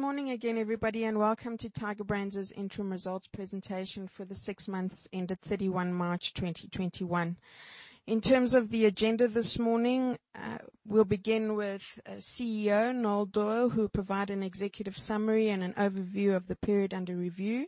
Good morning again, everybody, and welcome to Tiger Brands' interim results presentation for the six months ended 31 March 2021. In terms of the agenda this morning, we'll begin with CEO, Noel Doyle, who will provide an executive summary and an overview of the period under review.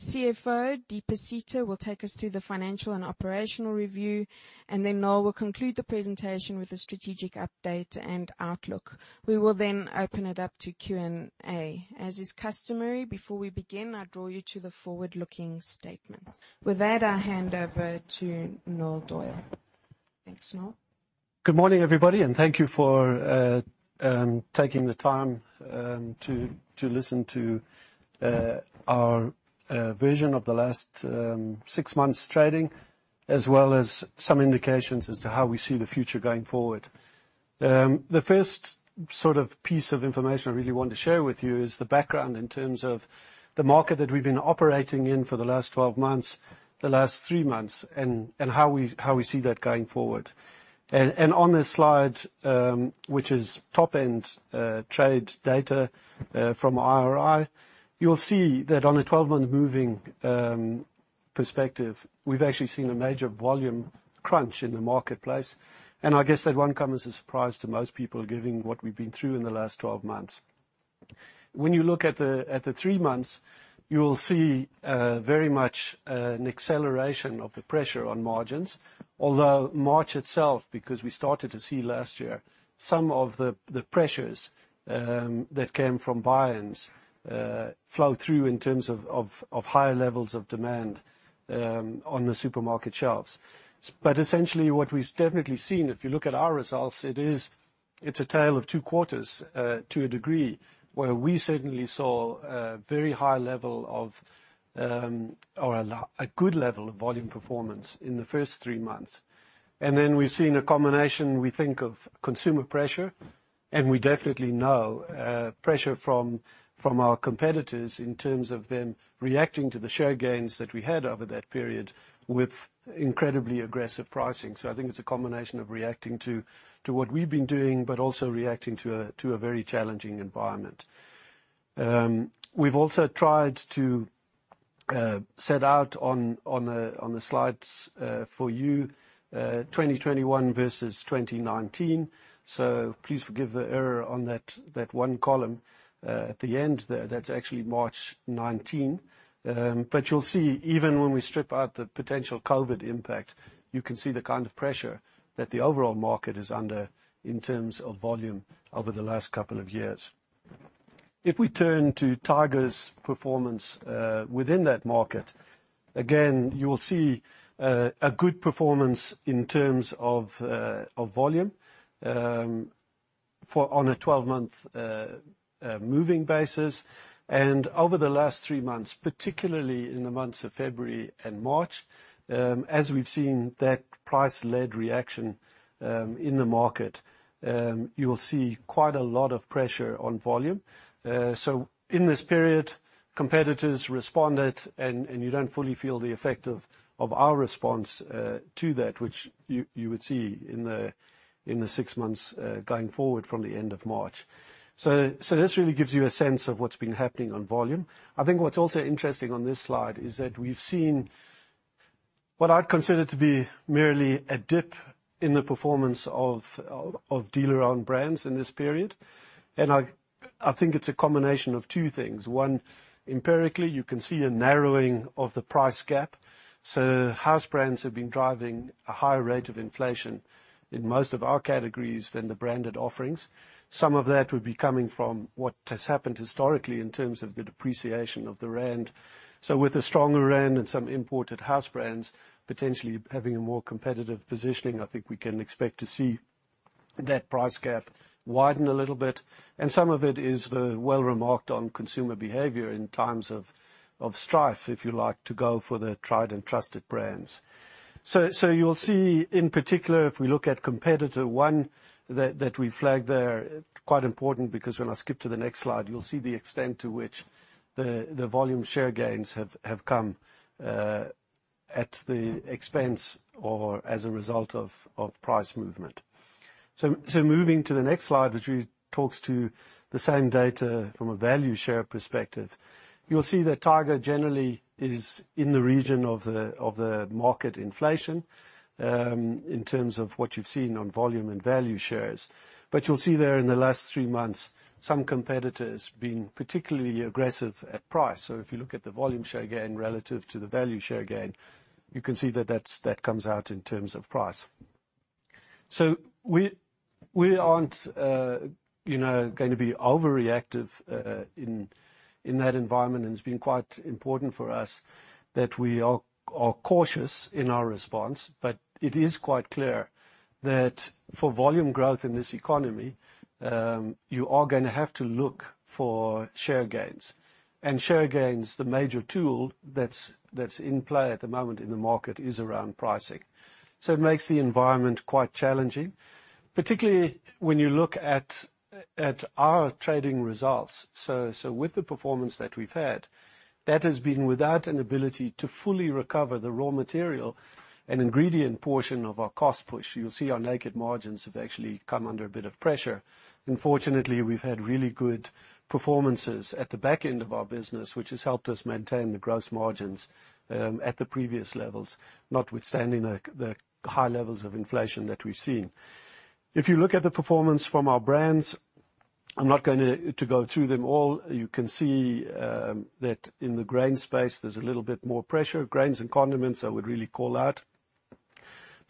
CFO, Deepa Sita, will take us through the financial and operational review, and then Noel will conclude the presentation with a strategic update and outlook. We will then open it up to Q&A. As is customary, before we begin, I draw you to the forward-looking statements. With that, I'll hand over to Noel Doyle. Thanks, Noel. Good morning, everybody, and thank you for taking the time to listen to our vision of the last six months trading, as well as some indications as to how we see the future going forward. The first piece of information I really want to share with you is the background in terms of the market that we've been operating in for the last 12 months, the last three months, and how we see that going forward. On this slide, which is top-end trade data from IRI, you'll see that on a 12-month moving perspective, we've actually seen a major volume crunch in the marketplace. I guess that won't come as a surprise to most people, given what we've been through in the last 12 months. When you look at the three months, you'll see very much an acceleration of the pressure on margins. Although March itself, because we started to see last year some of the pressures that came from buy-ins flow through in terms of higher levels of demand on the supermarket shelves. Essentially what we've definitely seen, if you look at our results, it's a tale of two quarters to a degree, where we certainly saw a very high level of or a good level of volume performance in the first three months. Then we've seen a combination, we think, of consumer pressure, and we definitely know pressure from our competitors in terms of them reacting to the share gains that we had over that period with incredibly aggressive pricing. I think it's a combination of reacting to what we've been doing, but also reacting to a very challenging environment. We've also tried to set out on the slides for you 2021 versus 2019. Please forgive the error on that one column at the end there. That's actually March 2019. You'll see even when we strip out the potential COVID impact, you can see the kind of pressure that the overall market is under in terms of volume over the last couple of years. If we turn to Tiger's performance within that market, again, you'll see a good performance in terms of volume on a 12-month moving basis. Over the last three months, particularly in the months of February and March, as we've seen that price-led reaction in the market, you'll see quite a lot of pressure on volume. In this period, competitors responded, and you don't fully feel the effect of our response to that, which you would see in the six months going forward from the end of March. This really gives you a sense of what's been happening on volume. I think what's also interesting on this slide is that we've seen what I'd consider to be merely a dip in the performance of dealer-owned brands in this period. I think it's a combination of two things. One, empirically, you can see a narrowing of the price gap. House brands have been driving a higher rate of inflation in most of our categories than the branded offerings. Some of that would be coming from what has happened historically in terms of the depreciation of the rand. With a stronger rand and some imported house brands potentially having a more competitive positioning, I think we can expect to see that price gap widen a little bit. Some of it is the well remarked-on consumer behavior in times of strife, if you like, to go for the tried and trusted brands. You'll see in particular, if we look at competitor one that we flagged there, quite important because when I skip to the next slide, you'll see the extent to which the volume share gains have come at the expense or as a result of price movement. Moving to the next slide, which talks to the same data from a value share perspective. You'll see that Tiger generally is in the region of the market inflation in terms of what you've seen on volume and value shares. You'll see there in the last three months, some competitors being particularly aggressive at price. If you look at the volume share gain relative to the value share gain, you can see that comes out in terms of price. We aren't going to be overreactive in that environment, and it's been quite important for us that we are cautious in our response. It is quite clear that for volume growth in this economy, you are going to have to look for share gains. Share gains, the major tool that's in play at the moment in the market is around pricing. It makes the environment quite challenging, particularly when you look at our trading results. With the performance that we've had, that has been without an ability to fully recover the raw material and ingredient portion of our cost-push. You'll see our naked margins have actually come under a bit of pressure. Fortunately, we've had really good performances at the back end of our business, which has helped us maintain the gross margins at the previous levels, notwithstanding the high levels of inflation that we've seen. If you look at the performance from our brands, I'm not going to go through them all. You can see that in the grain space, there's a little bit more pressure. Grains and condiments I would really call out.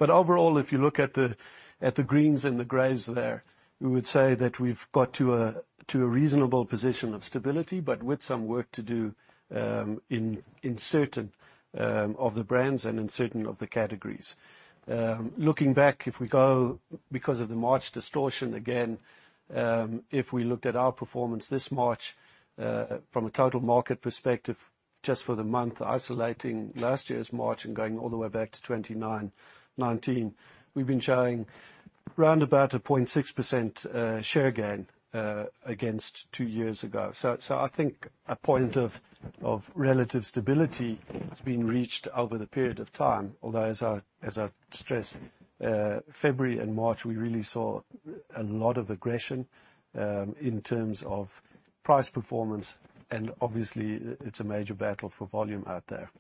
Overall, if you look at the greens and the greys there, we would say that we've got to a reasonable position of stability, but with some work to do in certain of the brands and in certain of the categories. Looking back, if we go because of the March distortion, again, if we look at our performance this March from a total market perspective, just for the month, isolating last year's March and going all the way back to 2019, we've been showing round about a 0.6% share gain against two years ago. I think a point of relative stability has been reached over the period of time. Although, as I've stressed, February and March, we really saw a lot of aggression in terms of price performance, and obviously it's a major battle for volume out there.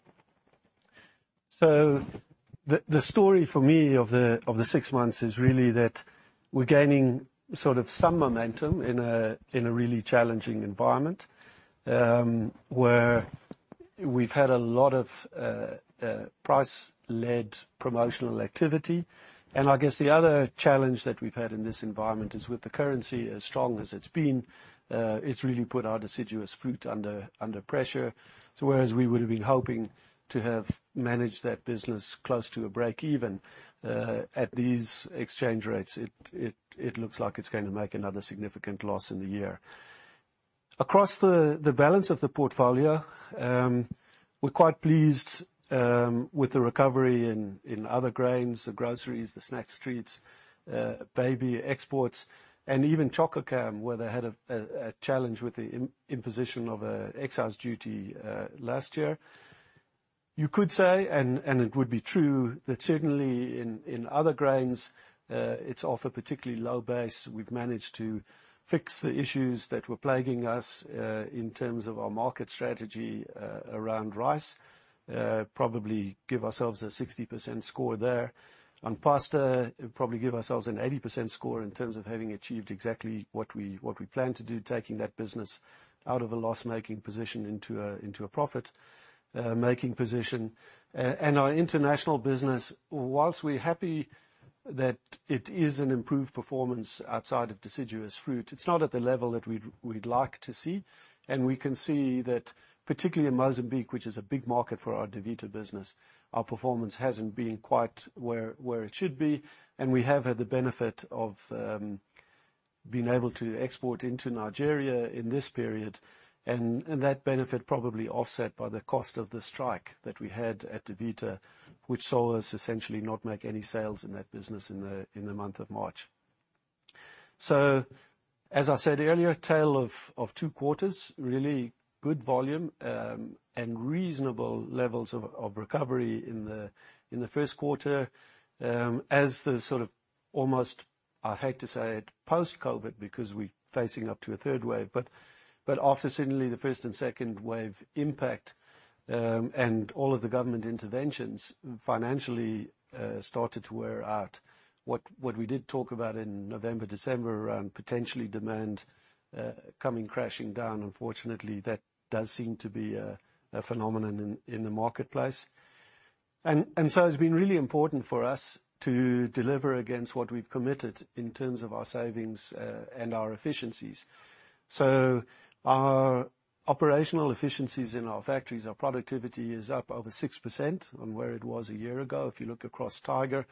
The story for me of the six months is really that we're gaining sort of some momentum in a really challenging environment, where we've had a lot of price-led promotional activity. I guess the other challenge that we've had in this environment is with the currency as strong as it's been, it's really put our deciduous fruit under pressure. Whereas we would have been hoping to have managed that business close to a break even, at these exchange rates, it looks like it's going to make another significant loss in the year. Across the balance of the portfolio, we're quite pleased with the recovery in Other Grains, the Groceries, the Snacks treats, Baby exports, and even Chococam, where they had a challenge with the imposition of an excise duty last year. You could say, and it would be true, that certainly in Other Grains, it's off a particularly low base. We've managed to fix the issues that were plaguing us, in terms of our market strategy around rice. Probably give ourselves a 60% score there. Pasta, probably give ourselves an 80% score in terms of having achieved exactly what we plan to do, taking that business out of a loss-making position into a profit-making position. Our international business, whilst we're happy that it is an improved performance outside of deciduous fruit, it's not at the level that we'd like to see. We can see that particularly in Mozambique, which is a big market for our Davita business, our performance hasn't been quite where it should be, and we have had the benefit of being able to export into Nigeria in this period. That benefit probably offset by the cost of the strike that we had at Davita, which saw us essentially not make any sales in that business in the month of March. As I said earlier, tale of two quarters, really good volume, and reasonable levels of recovery in the first quarter, as the sort of almost, I hate to say it, post-COVID because we're facing up to a third wave. After certainly the first and second wave impact, and all of the government interventions financially started to wear out. What we did talk about in November, December around potentially demand coming crashing down. Unfortunately, that does seem to be a phenomenon in the marketplace. It's been really important for us to deliver against what we've committed in terms of our savings and our efficiencies. Our operational efficiencies in our factories, our productivity is up over 6% on where it was a year ago, if you look across Tiger,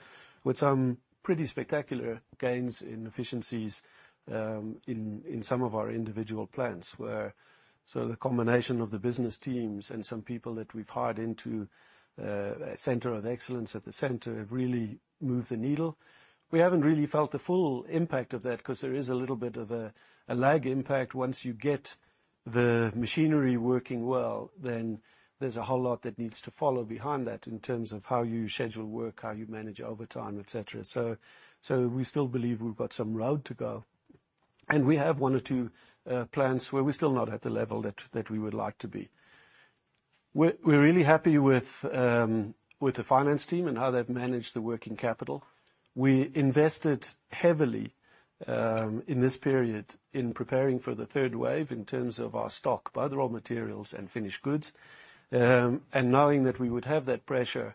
with some pretty spectacular gains in efficiencies in some of our individual plants where the combination of the business teams and some people that we've hired into a center of excellence at the center have really moved the needle. We haven't really felt the full impact of that because there is a little bit of a lag impact. Once you get the machinery working well, there's a whole lot that needs to follow behind that in terms of how you schedule work, how you manage overtime, et cetera. We still believe we've got some road to go. We have one or two plants where we're still not at the level that we would like to be. We're really happy with the finance team and how they've managed the working capital. We invested heavily in this period in preparing for the third wave in terms of our stock, both raw materials and finished goods. Knowing that we would have that pressure,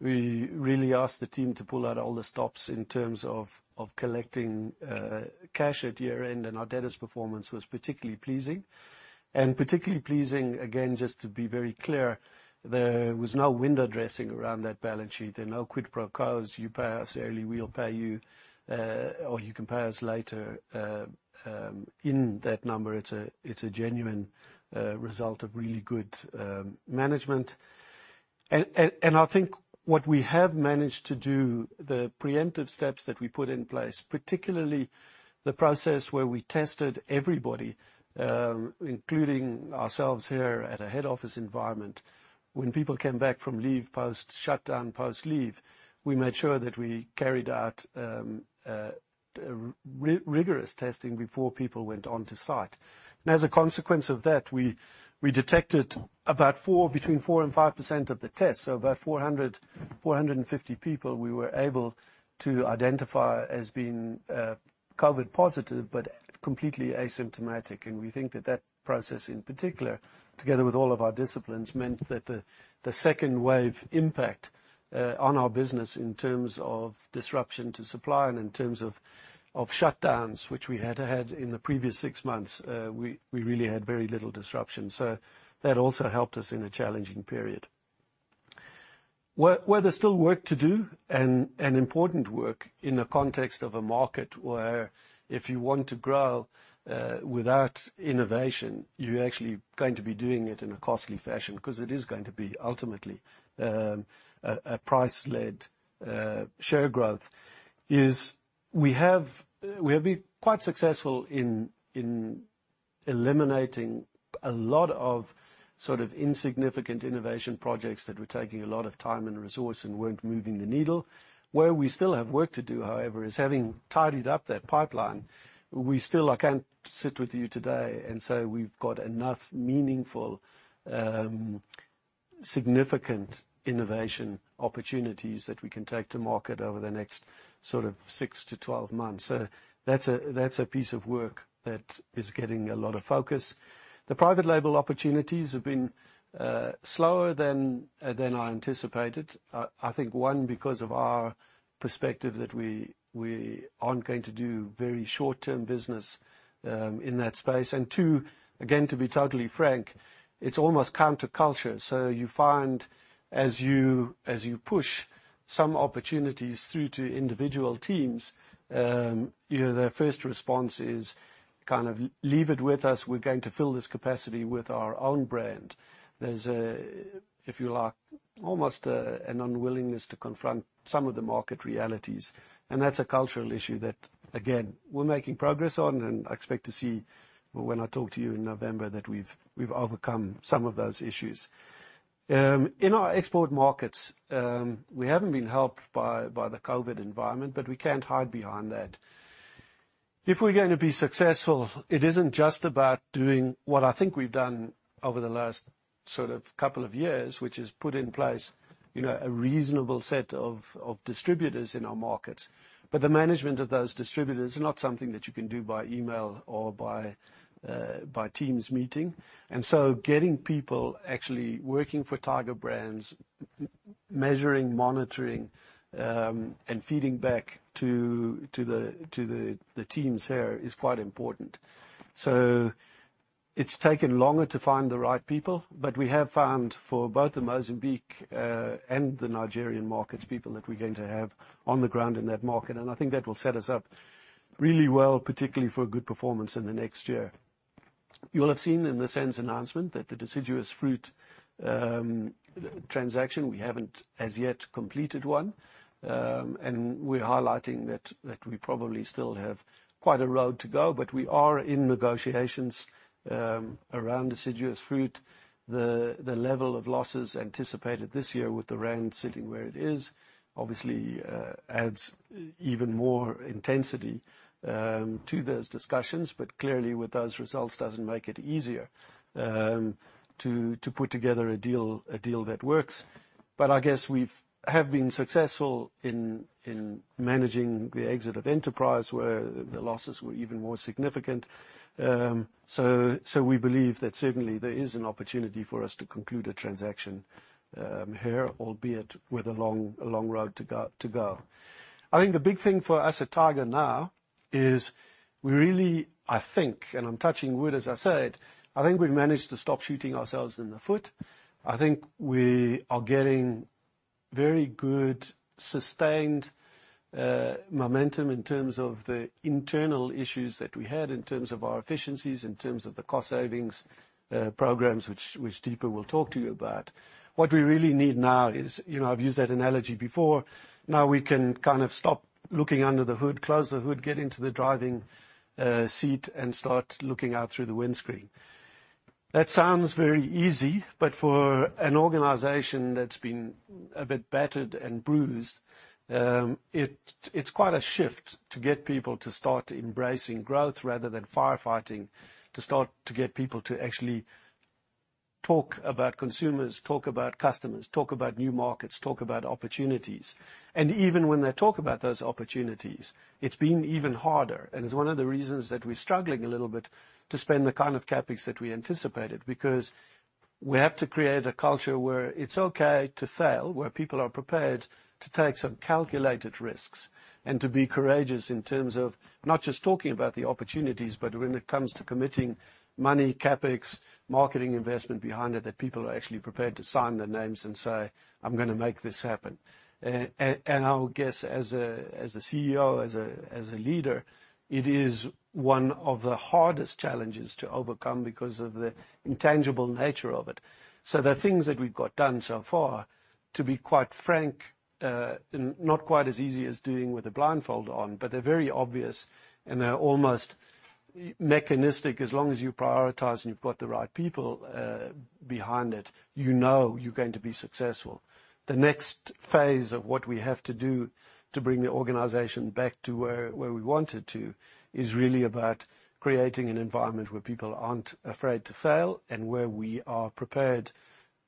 we really asked the team to pull out all the stops in terms of collecting cash at year-end, and our debtors' performance was particularly pleasing. Particularly pleasing, again, just to be very clear, there was no window dressing around that balance sheet and no quid pro quos. You pay us early, we'll pay you, or you can pay us later. In that number, it's a genuine result of really good management. I think what we have managed to do, the preemptive steps that we put in place, particularly the process where we tested everybody, including ourselves here at a head office environment. When people came back from leave, post shutdown, post leave, we made sure that we carried out rigorous testing before people went on to site. As a consequence of that, we detected between 4% and 5% of the tests, so about 400, 450 people we were able to identify as being COVID positive, but completely asymptomatic. We think that process in particular, together with all of our disciplines, meant that the second wave impact on our business in terms of disruption to supply and in terms of shutdowns, which we had had in the previous six months, we really had very little disruption. That also helped us in a challenging period. Where there's still work to do, important work in the context of a market where if you want to grow without innovation, you're actually going to be doing it in a costly fashion, because it is going to be ultimately a price-led share growth, is we have been quite successful in eliminating a lot of sort of insignificant innovation projects that were taking a lot of time and resource and weren't moving the needle. Where we still have work to do, however, is having tidied up that pipeline, we still can't sit with you today and say we've got enough meaningful, significant innovation opportunities that we can take to market over the next sort of 6-12 months. That's a piece of work that is getting a lot of focus. The private label opportunities have been slower than I anticipated. I think, one, because of our perspective that we aren't going to do very short-term business in that space. Two, again, to be totally frank, it's almost counterculture. You find as you push some opportunities through to individual teams, their first response is kind of, "Leave it with us. We're going to fill this capacity with our own brand." There's a, if you like, almost an unwillingness to confront some of the market realities. That's a cultural issue that, again, we're making progress on and expect to see when I talk to you in November that we've overcome some of those issues. In our export markets, we haven't been helped by the COVID environment, but we can't hide behind that. If we're going to be successful, it isn't just about doing what I think we've done over the last sort of couple of years, which is put in place a reasonable set of distributors in our markets. The management of those distributors is not something that you can do by email or by Teams meeting. Getting people actually working for Tiger Brands, measuring, monitoring, and feeding back to the teams here is quite important. It's taken longer to find the right people, but we have found for both the Mozambique, and the Nigerian markets, people that we're going to have on the ground in that market. I think that will set us up really well, particularly for good performance in the next year. You'll have seen in the SENS announcement that the deciduous fruit transaction, we haven't as yet completed one. We're highlighting that we probably still have quite a road to go, but we are in negotiations around deciduous fruit. The level of losses anticipated this year with the rand sitting where it is, obviously adds even more intensity to those discussions. Clearly, with those results doesn't make it easier to put together a deal that works. I guess we have been successful in managing the exit of Enterprise, where the losses were even more significant. We believe that certainly there is an opportunity for us to conclude a transaction here, albeit with a long road to go. I think the big thing for us at Tiger Brands now is we really, I think, and I'm touching wood, as I said, I think we've managed to stop shooting ourselves in the foot. I think we are getting very good sustained momentum in terms of the internal issues that we had, in terms of our efficiencies, in terms of the cost-savings programs, which Deepa will talk to you about. What we really need now is, I've used that analogy before. Now we can kind of stop looking under the hood, close the hood, get into the driving seat, and start looking out through the windscreen. That sounds very easy, but for an organization that's been a bit battered and bruised, it's quite a shift to get people to start embracing growth rather than firefighting, to start to get people to actually talk about consumers, talk about customers, talk about new markets, talk about opportunities. Even when they talk about those opportunities, it's been even harder. It's one of the reasons that we're struggling a little bit to spend the kind of CapEx that we anticipated. We have to create a culture where it's okay to fail, where people are prepared to take some calculated risks, and to be courageous in terms of not just talking about the opportunities, but when it comes to committing money, CapEx, marketing investment behind it, that people are actually prepared to sign their names and say, "I'm going to make this happen." I would guess as a CEO, as a leader, it is one of the hardest challenges to overcome because of the intangible nature of it. The things that we've got done so far, to be quite frank, not quite as easy as doing with a blindfold on, but they're very obvious and they're almost mechanistic. As long as you prioritize and you've got the right people behind it, you know you're going to be successful. The next phase of what we have to do to bring the organization back to where we want it to is really about creating an environment where people aren't afraid to fail and where we are prepared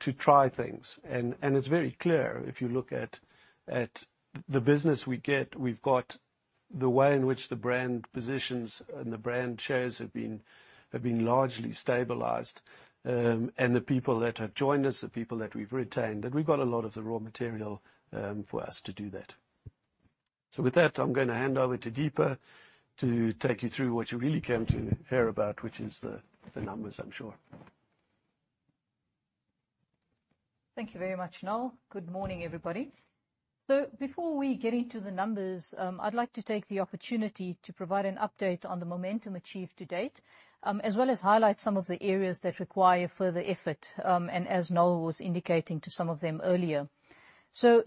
to try things. It's very clear if you look at the business, we've got the way in which the brand positions and the brand chairs have been largely stabilized. The people that have joined us, the people that we've retained, that we've got a lot of the raw material for us to do that. With that, I'm going to hand over to Deepa to take you through what you really came to hear about, which is the numbers, I'm sure. Thank you very much, Noel. Good morning, everybody. Before we get into the numbers, I'd like to take the opportunity to provide an update on the momentum achieved to date, as well as highlight some of the areas that require further effort, and as Noel was indicating to some of them earlier.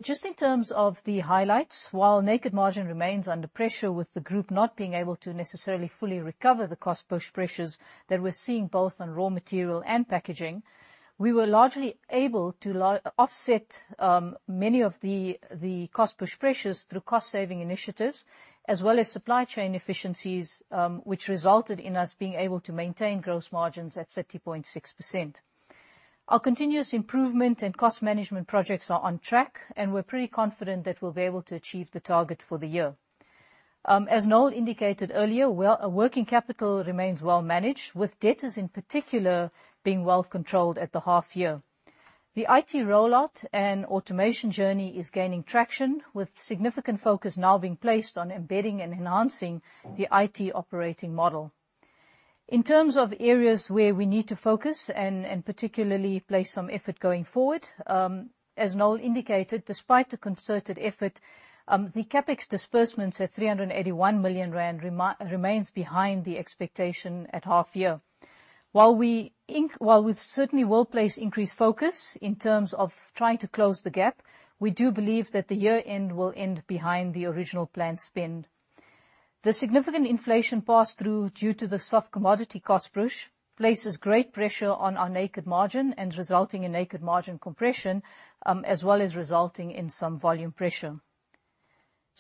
Just in terms of the highlights, while net margin remains under pressure with the group not being able to necessarily fully recover the cost-push pressures that we're seeing both on raw material and packaging, we were largely able to offset many of the cost-push pressures through cost-saving initiatives, as well as supply chain efficiencies, which resulted in us being able to maintain gross margins at 30.6%. Our continuous improvement and cost management projects are on track, and we're pretty confident that we'll be able to achieve the target for the year. As Noel indicated earlier, working capital remains well managed, with debtors in particular being well controlled at the half year. The IT rollout and automation journey is gaining traction, with significant focus now being placed on embedding and enhancing the IT operating model. In terms of areas where we need to focus and particularly place some effort going forward, as Noel indicated, despite the concerted effort, the CapEx disbursements at 381 million rand remains behind the expectation at half year. While we certainly will place increased focus in terms of trying to close the gap, we do believe that the year-end will end behind the original planned spend. The significant inflation passed through due to the soft commodity cost-push places great pressure on our naked margin and resulting in naked margin compression, as well as resulting in some volume pressure.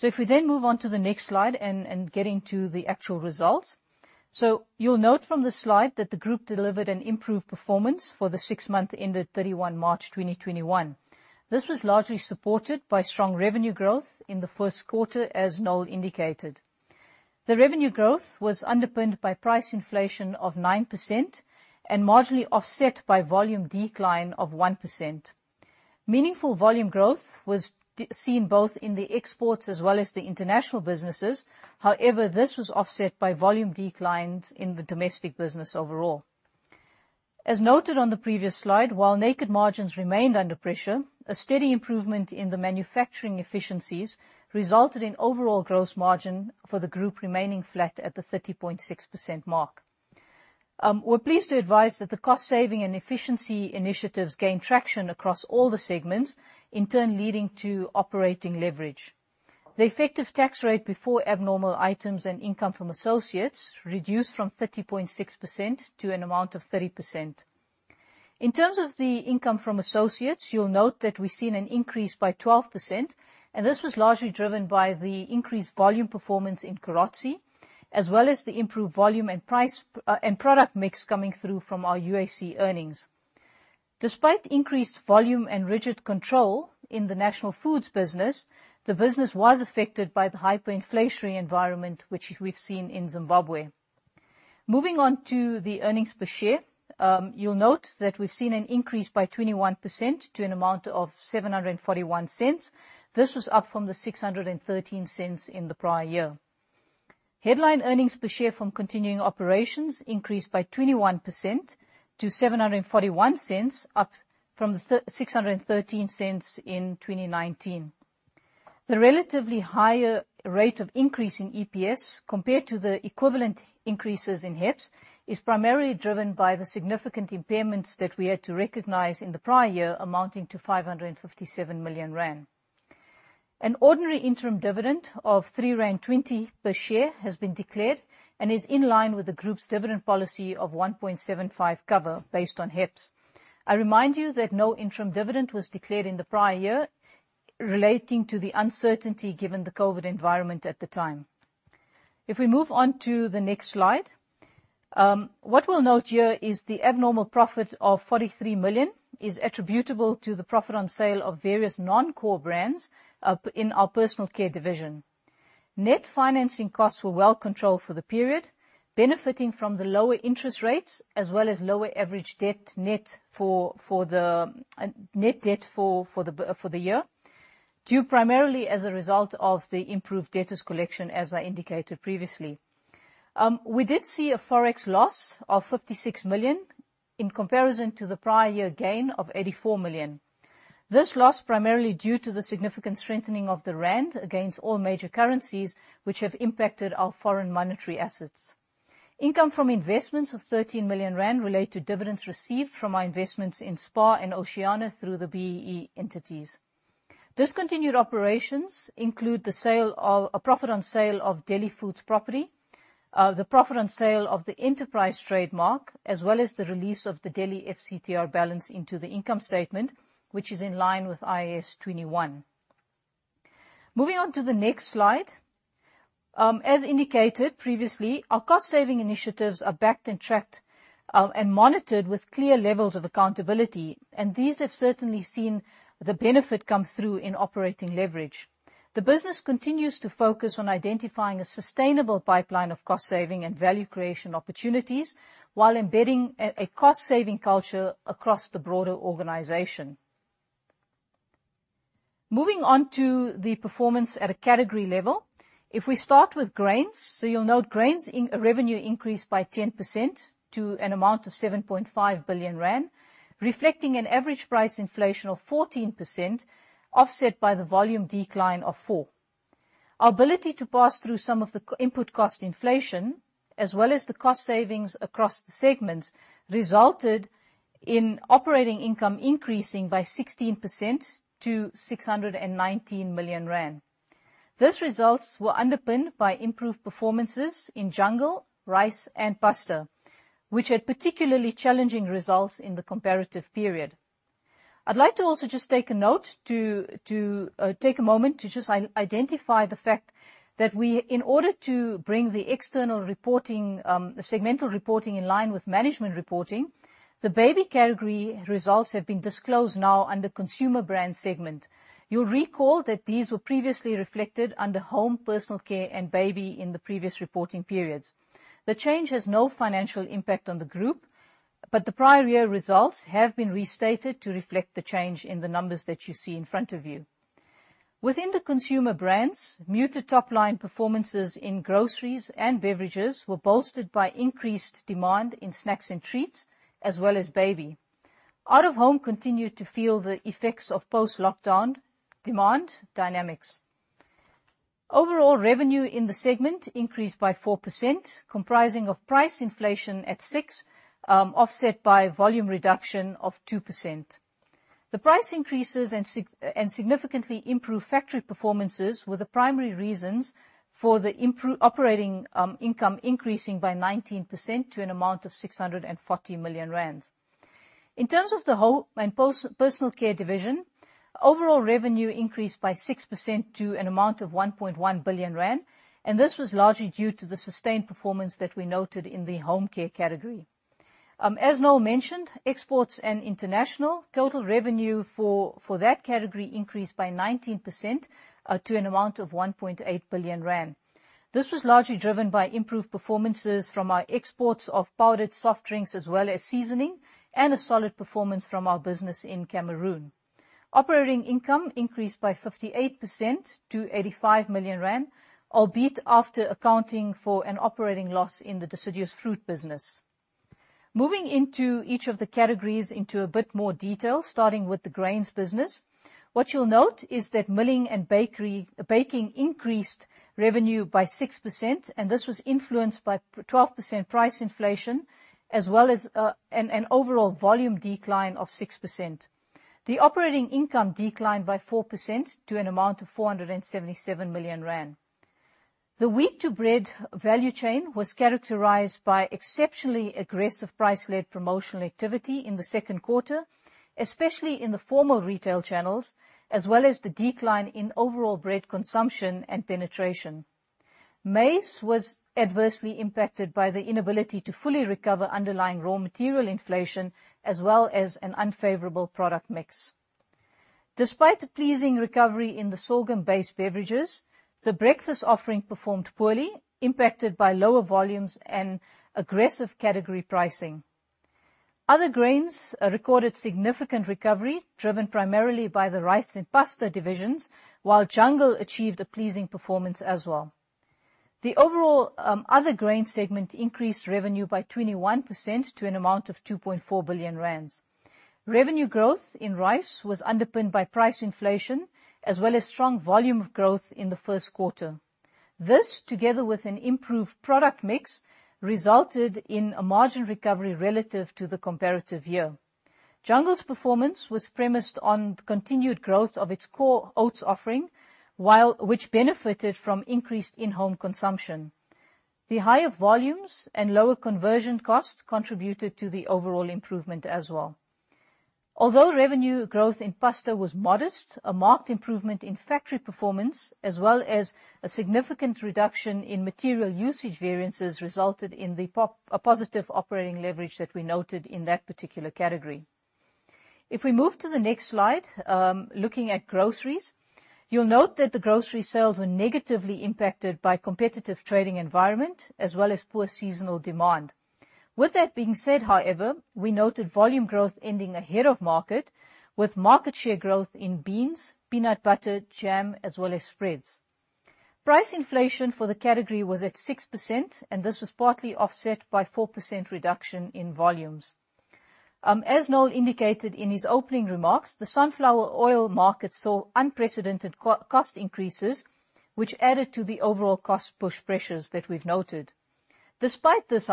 If we then move on to the next slide and getting to the actual results. You'll note from the slide that the group delivered an improved performance for the six-month ended 31 March 2021. This was largely supported by strong revenue growth in the first quarter, as Noel indicated. The revenue growth was underpinned by price inflation of 9% and marginally offset by volume decline of 1%. Meaningful volume growth was seen both in the exports as well as the international businesses. However, this was offset by volume declines in the domestic business overall. As noted on the previous slide, while net margins remained under pressure, a steady improvement in the manufacturing efficiencies resulted in overall gross margin for the group remaining flat at the 30.6% mark. We're pleased to advise that the cost-saving and efficiency initiatives gain traction across all the segments, in turn leading to operating leverage. The effective tax rate before abnormal items and income from associates reduced from 30.6% to an amount of 30%. In terms of the income from associates, you'll note that we've seen an increase by 12%. This was largely driven by the increased volume performance in Carozzi, as well as the improved volume and product mix coming through from our UAC earnings. Despite increased volume and rigid control in the National Foods business, the business was affected by the hyperinflationary environment, which we've seen in Zimbabwe. Moving on to the earnings per share, you'll note that we've seen an increase by 21% to an amount of 7.41. This was up from the 6.13 in the prior year. Headline earnings per share from continuing operations increased by 21% to 7.41, up from 6.13 in 2019. The relatively higher rate of increase in EPS compared to the equivalent increases in HEPS is primarily driven by the significant impairments that we had to recognize in the prior year, amounting to 557 million rand. An ordinary interim dividend of 3.20 rand per share has been declared and is in line with the group's dividend policy of 1.75 cover based on HEPS. I remind you that no interim dividend was declared in the prior year, relating to the uncertainty given the COVID environment at the time. If we move on to the next slide, what we'll note here is the abnormal profit of 43 million is attributable to the profit on sale of various non-core brands in our Personal Care division. Net financing costs were well controlled for the period, benefiting from the lower interest rates as well as lower average net debt for the year, due primarily as a result of the improved debtors collection, as I indicated previously. We did see a Forex loss of 56 million in comparison to the prior year gain of 84 million. This loss primarily due to the significant strengthening of the rand against all major currencies, which have impacted our foreign monetary assets. Income from investments of 30 million rand relate to dividends received from our investments in SPAR and Oceana through the BEE entities. Discontinued operations include a profit on sale of Deli Foods property, the profit on sale of the Enterprise trademark, as well as the release of the Deli FCTR balance into the income statement, which is in line with IAS 21. Moving on to the next slide. As indicated previously, our cost-saving initiatives are backed, tracked, and monitored with clear levels of accountability. These have certainly seen the benefit come through in operating leverage. The business continues to focus on identifying a sustainable pipeline of cost-saving and value creation opportunities while embedding a cost-saving culture across the broader organization. Moving on to the performance at a category level. If we start with grains, you'll note grains revenue increased by 10% to an amount of 7.5 billion rand, reflecting an average price inflation of 14%, offset by the volume decline of four. Our ability to pass through some of the input cost inflation, as well as the cost-savings across the segments, resulted in operating income increasing by 16% to 619 million rand. These results were underpinned by improved performances in Jungle, rice, and pasta, which had particularly challenging results in the comparative period. I'd like to also just take a moment to just identify the fact that in order to bring the external segmental reporting in line with management reporting, the baby category results have been disclosed now under Consumer Brand segment. You'll recall that these were previously reflected under Home Personal Care and Baby in the previous reporting periods. The change has no financial impact on the group, the prior year results have been restated to reflect the change in the numbers that you see in front of you. Within the consumer brands, muted top-line performances in groceries and beverages were bolstered by increased demand in snacks and treats, as well as baby. Out of home continued to feel the effects of post-lockdown demand dynamics. Overall revenue in the segment increased by 4%, comprising of price inflation at 6%, offset by volume reduction of 2%. The price increases and significantly improved factory performances were the primary reasons for the operating income increasing by 19% to an amount of 640 million rand. In terms of the whole Personal Care division, overall revenue increased by 6% to an amount of 1.1 billion rand, and this was largely due to the sustained performance that we noted in the home care category. As Noel mentioned, exports and international, total revenue for that category increased by 19% to an amount of 1.8 billion rand. This was largely driven by improved performances from our exports of powdered soft drinks as well as seasoning, a solid performance from our business in Cameroon. Operating income increased by 58% to 85 million rand, albeit after accounting for an operating loss in the deciduous fruit business. Moving into each of the categories into a bit more detail, starting with the grains business. What you'll note is that milling and baking increased revenue by 6%, this was influenced by 12% price inflation, as well as an overall volume decline of 6%. The operating income declined by 4% to an amount of 477 million rand. The wheat to bread value chain was characterized by exceptionally aggressive price-led promotional activity in the second quarter, especially in the formal retail channels, as well as the decline in overall bread consumption and penetration. Maize was adversely impacted by the inability to fully recover underlying raw material inflation, as well as an unfavorable product mix. Despite the pleasing recovery in the sorghum-based beverages, the breakfast offering performed poorly, impacted by lower volumes and aggressive category pricing. Other grains recorded significant recovery, driven primarily by the rice and pasta divisions, while Jungle achieved a pleasing performance as well. The overall other grains segment increased revenue by 21% to an amount of 2.4 billion rand. Revenue growth in rice was underpinned by price inflation, as well as strong volume growth in the first quarter. This, together with an improved product mix, resulted in a margin recovery relative to the comparative year. Jungle's performance was premised on continued growth of its core oats offering, which benefited from increased in-home consumption. The higher volumes and lower conversion costs contributed to the overall improvement as well. Although revenue growth in pasta was modest, a marked improvement in factory performance as well as a significant reduction in material usage variances resulted in a positive operating leverage that we noted in that particular category. If we move to the next slide, looking at groceries, you'll note that the grocery sales were negatively impacted by competitive trading environment as well as poor seasonal demand. With that being said, however, we noted volume growth ending ahead of market with market share growth in beans, peanut butter, jam, as well as spreads. Price inflation for the category was at 6%, and this was partly offset by 4% reduction in volumes. As Noel indicated in his opening remarks, the sunflower oil market saw unprecedented cost increases, which added to the overall cost-push pressures that we've noted. Despite this,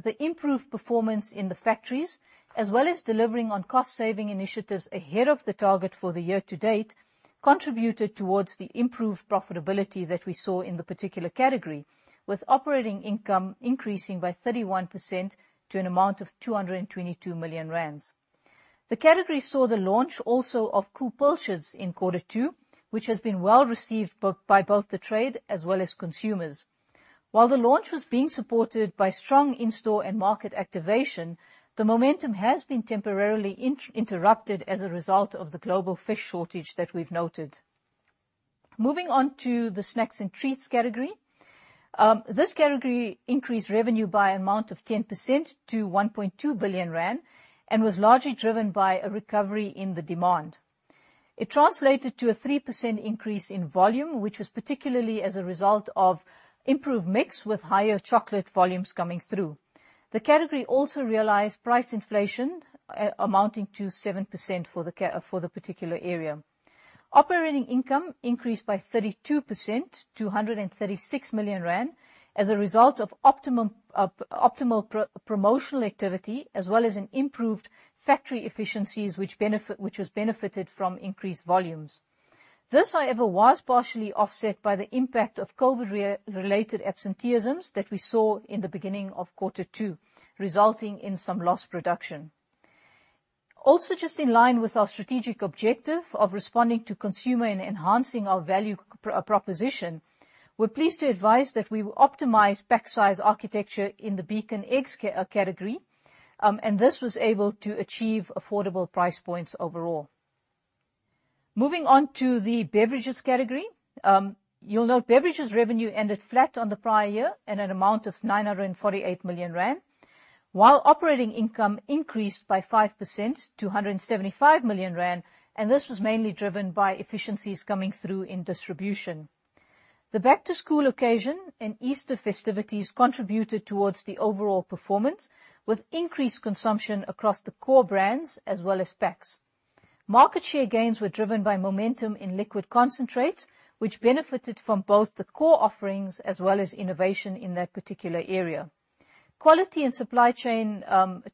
the improved performance in the factories, as well as delivering on cost-saving initiatives ahead of the target for the year-to-date, contributed towards the improved profitability that we saw in the particular category, with operating income increasing by 31% to an amount of 222 million rand. The category saw the launch also of Koo Pouches in quarter two, which has been well received by both the trade as well as consumers. While the launch was being supported by strong in-store and market activation, the momentum has been temporarily interrupted as a result of the global fish shortage that we've noted. Moving on to the snacks and treats category. This category increased revenue by amount of 10% to 1.2 billion rand and was largely driven by a recovery in the demand. It translated to a 3% increase in volume, which was particularly as a result of improved mix with higher chocolate volumes coming through. The category also realized price inflation amounting to 7% for the particular area. Operating income increased by 32% to 136 million rand as a result of optimal promotional activity, as well as an improved factory efficiencies, which was benefited from increased volumes. This, however, was partially offset by the impact of COVID-related absenteeism that we saw in the beginning of quarter two, resulting in some lost production. Also, just in line with our strategic objective of responding to consumer and enhancing our value proposition, we're pleased to advise that we will optimize pack size architecture in the Beacon Eggs category, and this was able to achieve affordable price points overall. Moving on to the beverages category. You'll note beverages revenue ended flat on the prior year at an amount of 948 million rand, while operating income increased by 5% to 175 million rand, and this was mainly driven by efficiencies coming through in distribution. The back-to-school occasion and Easter festivities contributed towards the overall performance, with increased consumption across the core brands as well as packs. Market share gains were driven by momentum in liquid concentrates, which benefited from both the core offerings as well as innovation in that particular area. Quality and supply chain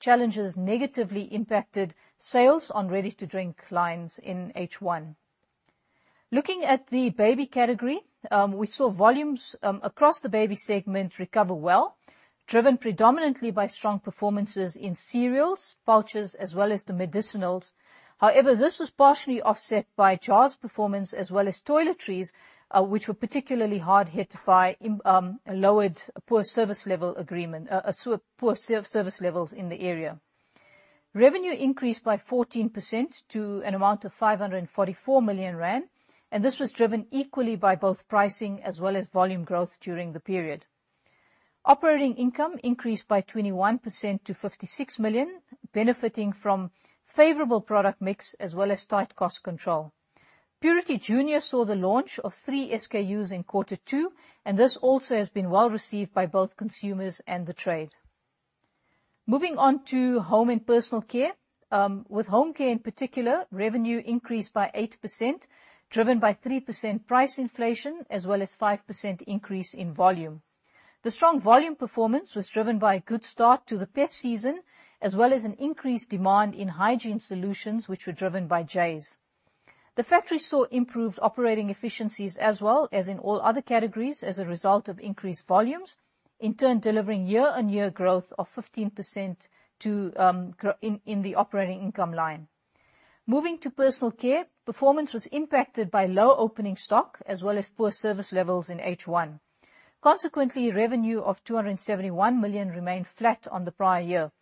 challenges negatively impacted sales on ready-to-drink lines in H1. Looking at the baby category, we saw volumes across the baby segment recover well, driven predominantly by strong performances in cereals, pouches, as well as the medicinals. This was partially offset by jars performance as well as toiletries, which were particularly hard hit by poor service levels in the area. Revenue increased by 14% to an amount of 544 million rand. This was driven equally by both pricing as well as volume growth during the period. Operating income increased by 21% to 56 million, benefiting from favorable product mix as well as tight cost control. Purity Junior saw the launch of three SKUs in quarter two. This also has been well received by both consumers and the trade. Moving on to Home and Personal Care. With home care in particular, revenue increased by 8%, driven by 3% price inflation as well as 5% increase in volume. The strong volume performance was driven by a good start to the pet season, as well as an increased demand in hygiene solutions, which were driven by Jeyes. The factory saw improved operating efficiencies as well as in all other categories as a result of increased volumes, in turn delivering year-on-year growth of 15% in the operating income line. Moving to Personal Care, performance was impacted by low opening stock as well as poor service levels in H1. Consequently, revenue of 271 million remained flat on the prior year,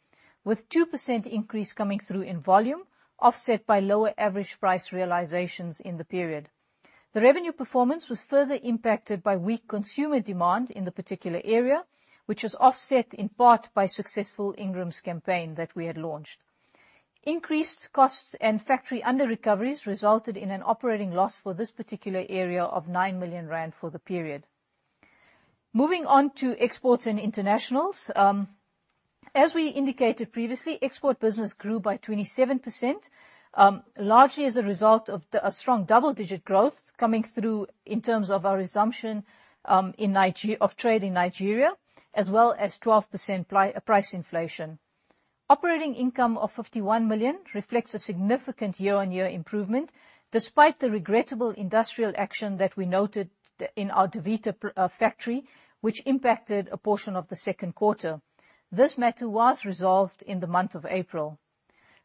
with 2% increase coming through in volume offset by lower average price realizations in the period. The revenue performance was further impacted by weak consumer demand in the particular area, which was offset in part by successful Ingram's campaign that we had launched. Increased costs and factory underrecoveries resulted in an operating loss for this particular area of 9 million rand for the period. Moving on to exports and internationals. As we indicated previously, export business grew by 27%, largely as a result of a strong double-digit growth coming through in terms of our resumption of trade in Nigeria, as well as 12% price inflation. Operating income of 51 million reflects a significant year-on-year improvement, despite the regrettable industrial action that we noted in our Davita factory, which impacted a portion of the second quarter. This matter was resolved in the month of April.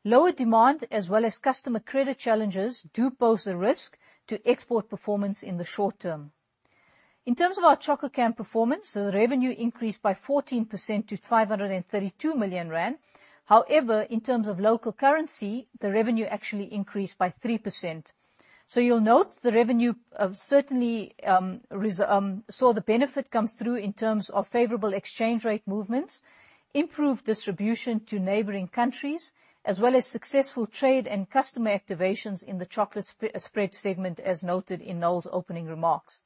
Lower demand as well as customer credit challenges do pose a risk to export performance in the short term. In terms of our Chococam performance, the revenue increased by 14% to 532 million rand. However, in terms of local currency, the revenue actually increased by 3%. You'll note the revenue certainly saw the benefit come through in terms of favorable exchange rate movements, improved distribution to neighboring countries, as well as successful trade and customer activations in the chocolate spread segment, as noted in Noel's opening remarks.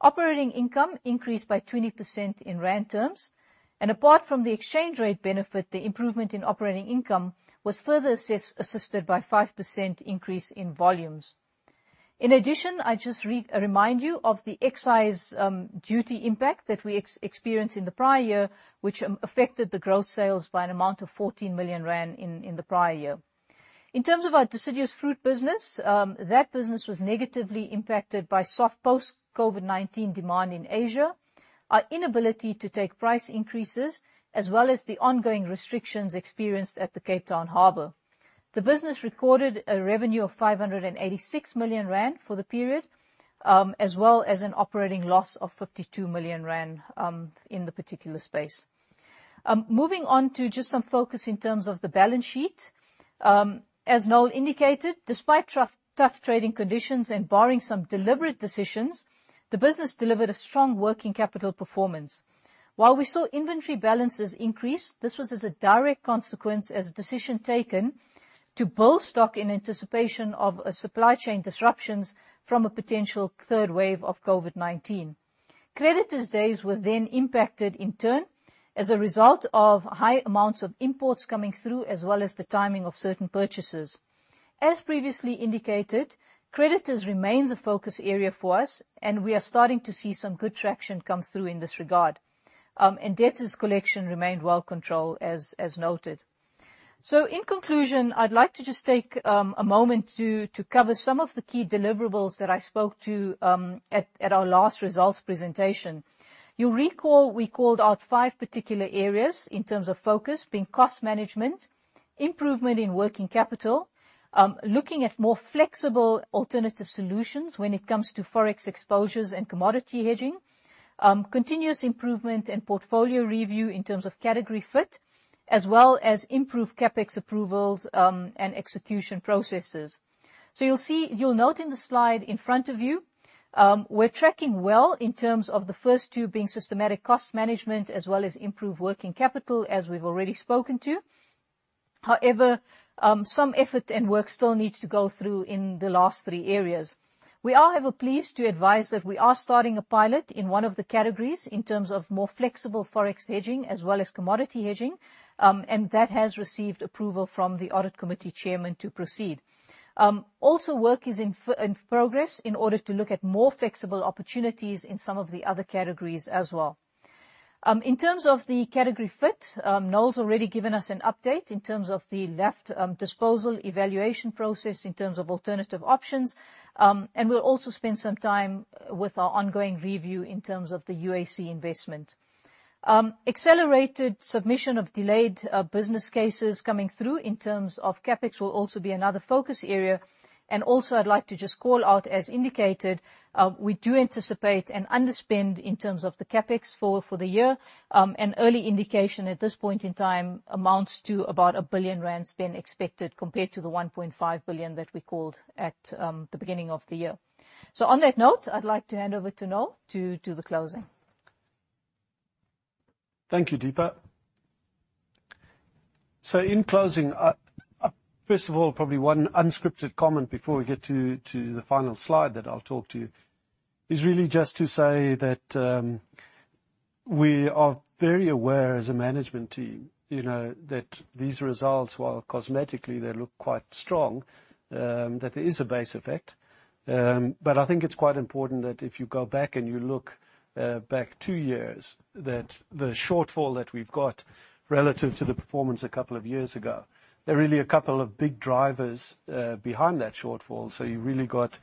Operating income increased by 20% in ZAR terms, and apart from the exchange rate benefit, the improvement in operating income was further assisted by 5% increase in volumes. In addition, I just remind you of the excise duty impact that we experienced in the prior year, which affected the growth sales by an amount of 14 million rand in the prior year. In terms of our deciduous fruit business, that business was negatively impacted by soft post-COVID-19 demand in Asia, our inability to take price increases, as well as the ongoing restrictions experienced at the Cape Town Harbor. The business recorded a revenue of 586 million rand for the period, as well as an operating loss of 52 million rand in the particular space. Moving on to just some focus in terms of the balance sheet. As Noel indicated, despite tough trading conditions and barring some deliberate decisions, the business delivered a strong working capital performance. We saw inventory balances increase, this was as a direct consequence as a decision taken to build stock in anticipation of supply chain disruptions from a potential third wave of COVID-19. Creditors' days were impacted in turn as a result of high amounts of imports coming through, as well as the timing of certain purchases. As previously indicated, creditors remains a focus area for us, and we are starting to see some good traction come through in this regard. Debtors collection remained well controlled, as noted. In conclusion, I'd like to just take a moment to cover some of the key deliverables that I spoke to at our last results presentation. You'll recall we called out five particular areas in terms of focus, Being cost management, Improvement in working capital, Looking at more flexible alternative solutions when it comes to Forex exposures and commodity hedging, Continuous improvement and portfolio review in terms of category fit, as well as Improved CapEx approvals, and execution processes. You'll note in the slide in front of you, we're tracking well in terms of the first two being systematic cost management as well as improved working capital, as we've already spoken to. However, some effort and work still needs to go through in the last three areas. We are, however, pleased to advise that we are starting a pilot in one of the categories in terms of more flexible Forex hedging as well as commodity hedging. That has received approval from the audit committee chairman to proceed. Work is in progress in order to look at more flexible opportunities in some of the other categories as well. In terms of the category fit, Noel's already given us an update in terms of the LAF disposal evaluation process in terms of alternative options. We'll also spend some time with our ongoing review in terms of the UAC investment. Accelerated submission of delayed business cases coming through in terms of CapEx will also be another focus area. Also I'd like to just call out, as indicated, we do anticipate an underspend in terms of the CapEx for the year. An early indication at this point in time amounts to about 1 billion rand spend expected compared to the 1.5 billion that we called at the beginning of the year. On that note, I'd like to hand over to Noel to the closing. Thank you, Deepa. In closing, first of all, probably one unscripted comment before we get to the final slide that I'll talk to, is really just to say that we are very aware as a management team that these results, while cosmetically they look quite strong, that there is a base effect. I think it's quite important that if you go back and you look back two years, that the shortfall that we've got relative to the performance a couple of years ago, there are really a couple of big drivers behind that shortfall. You've really got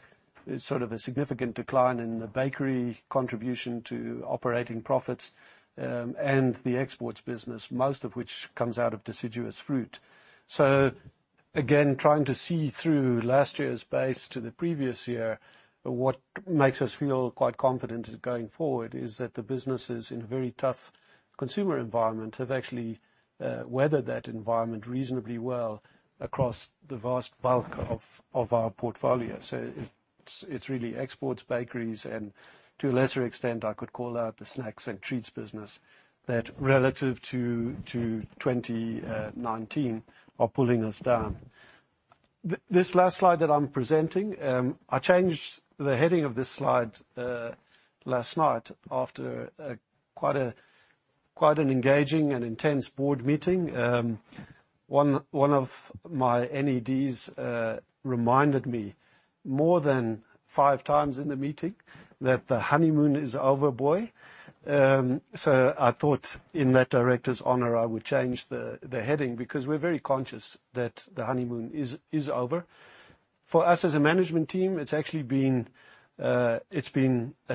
sort of a significant decline in the bakery contribution to operating profits, and the exports business, most of which comes out of deciduous fruit. Again, trying to see through last year's base to the previous year, what makes us feel quite confident going forward is that the businesses in a very tough consumer environment have actually weathered that environment reasonably well across the vast bulk of our portfolio. It's really exports, bakeries, and to a lesser extent, I could call out the snacks and treats business, that relative to 2019, are pulling us down. This last slide that I'm presenting, I changed the heading of this slide last night after quite an engaging and intense board meeting. One of my NEDs reminded me more than five times in the meeting that the honeymoon is over, boy. I thought in that director's honor, I would change the heading, because we're very conscious that the honeymoon is over. For us as a management team, it's been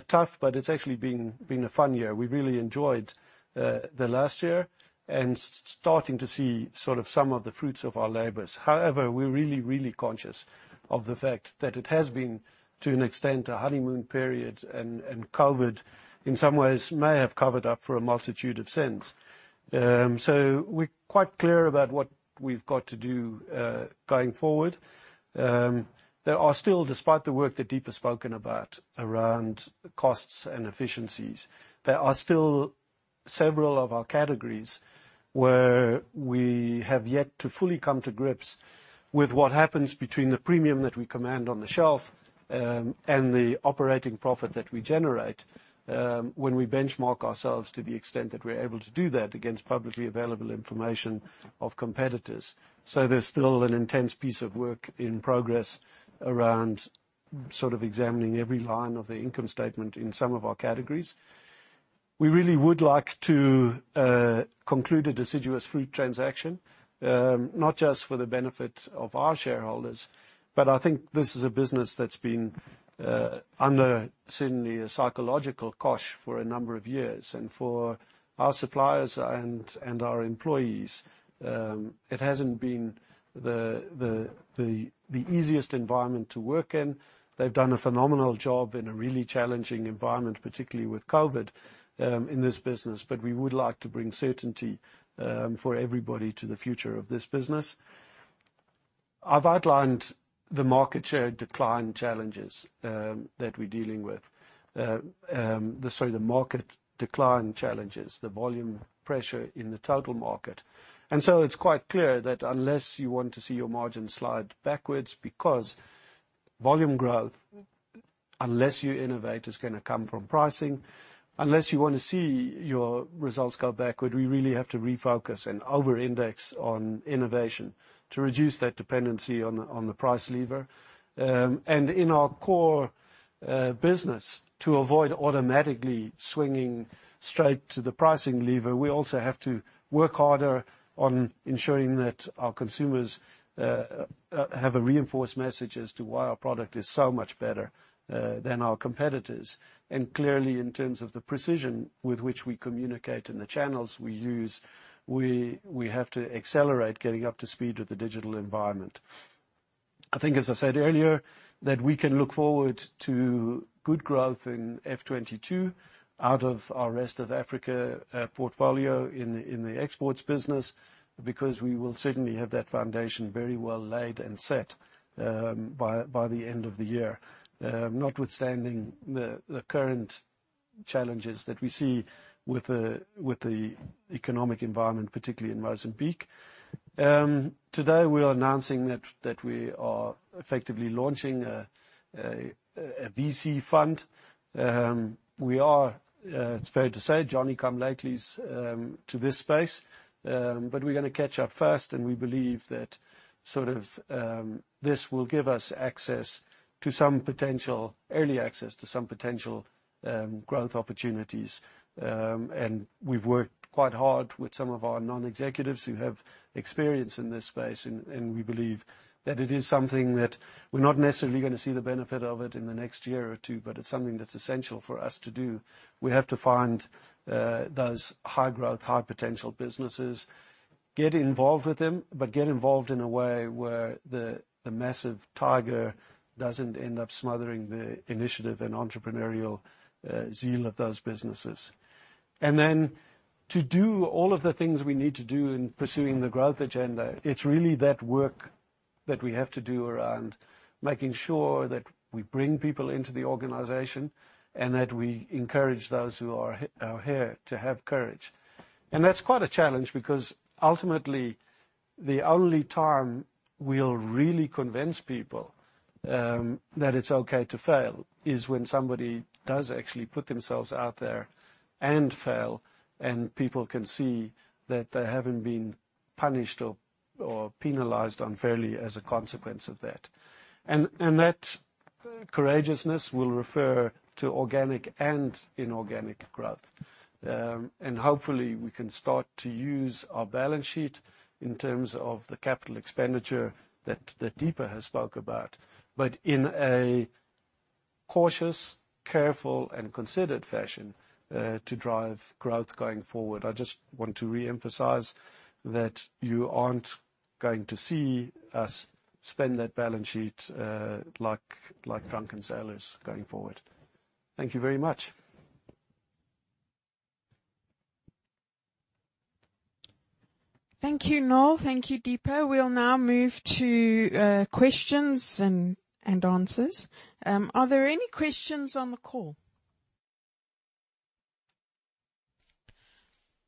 tough, but it's actually been a fun year. We really enjoyed the last year and starting to see some of the fruits of our labors. We're really conscious of the fact that it has been, to an extent, a honeymoon period, and COVID, in some ways, may have covered up for a multitude of sins. We're quite clear about what we've got to do going forward. There are still, despite the work that Deepa's spoken about around costs and efficiencies, there are still several of our categories where we have yet to fully come to grips with what happens between the premium that we command on the shelf and the operating profit that we generate when we benchmark ourselves to the extent that we're able to do that against publicly available information of competitors. There's still an intense piece of work in progress around examining every line of the income statement in some of our categories. We really would like to conclude a deciduous fruit transaction, not just for the benefit of our shareholders, but I think this is a business that's been under, certainly, a psychological cosh for a number of years. For our suppliers and our employees, it hasn't been the easiest environment to work in. They've done a phenomenal job in a really challenging environment, particularly with COVID, in this business. We would like to bring certainty for everybody to the future of this business. I've outlined the market share decline challenges that we're dealing with. Sorry, the market decline challenges, the volume pressure in the total market. It's quite clear that unless you want to see your margin slide backwards, because volume growth, unless you innovate, is going to come from pricing. Unless you want to see your results go backward, we really have to refocus and over-index on innovation to reduce that dependency on the price lever. In our core business, to avoid automatically swinging straight to the pricing lever, we also have to work harder on ensuring that our consumers have a reinforced message as to why our product is so much better than our competitors. Clearly, in terms of the precision with which we communicate and the channels we use, we have to accelerate getting up to speed with the digital environment. I think, as I said earlier, that we can look forward to good growth in F22 out of our Rest of Africa portfolio in the exports business, because we will certainly have that foundation very well laid and set by the end of the year, notwithstanding the current challenges that we see with the economic environment, particularly in Mozambique. Today, we are announcing that we are effectively launching a VC fund. We are, it's fair to say, Johnny-come-lately to this space, but we're going to catch up fast, and we believe that this will give us early access to some potential growth opportunities. We've worked quite hard with some of our non-executives who have experience in this space, and we believe that it is something that we're not necessarily going to see the benefit of it in the next year or two, but it's something that's essential for us to do. We have to find those high-growth, high-potential businesses, get involved with them, but get involved in a way where the massive Tiger doesn't end up smothering the initiative and entrepreneurial zeal of those businesses. To do all of the things we need to do in pursuing the growth agenda, it's really that work that we have to do around making sure that we bring people into the organization and that we encourage those who are here to have courage. That's quite a challenge because ultimately, the only time we'll really convince people that it's okay to fail is when somebody does actually put themselves out there and fail, and people can see that they haven't been punished or penalized unfairly as a consequence of that. That courageousness will refer to organic and inorganic growth. Hopefully, we can start to use our balance sheet in terms of the capital expenditure that Deepa has spoke about, but in a cautious, careful, and considered fashion to drive growth going forward. I just want to reemphasize that you aren't going to see us spend that balance sheet like drunken sailors going forward. Thank you very much. Thank you, Noel. Thank you, Deepa. We'll now move to questions and answers. Are there any questions on the call?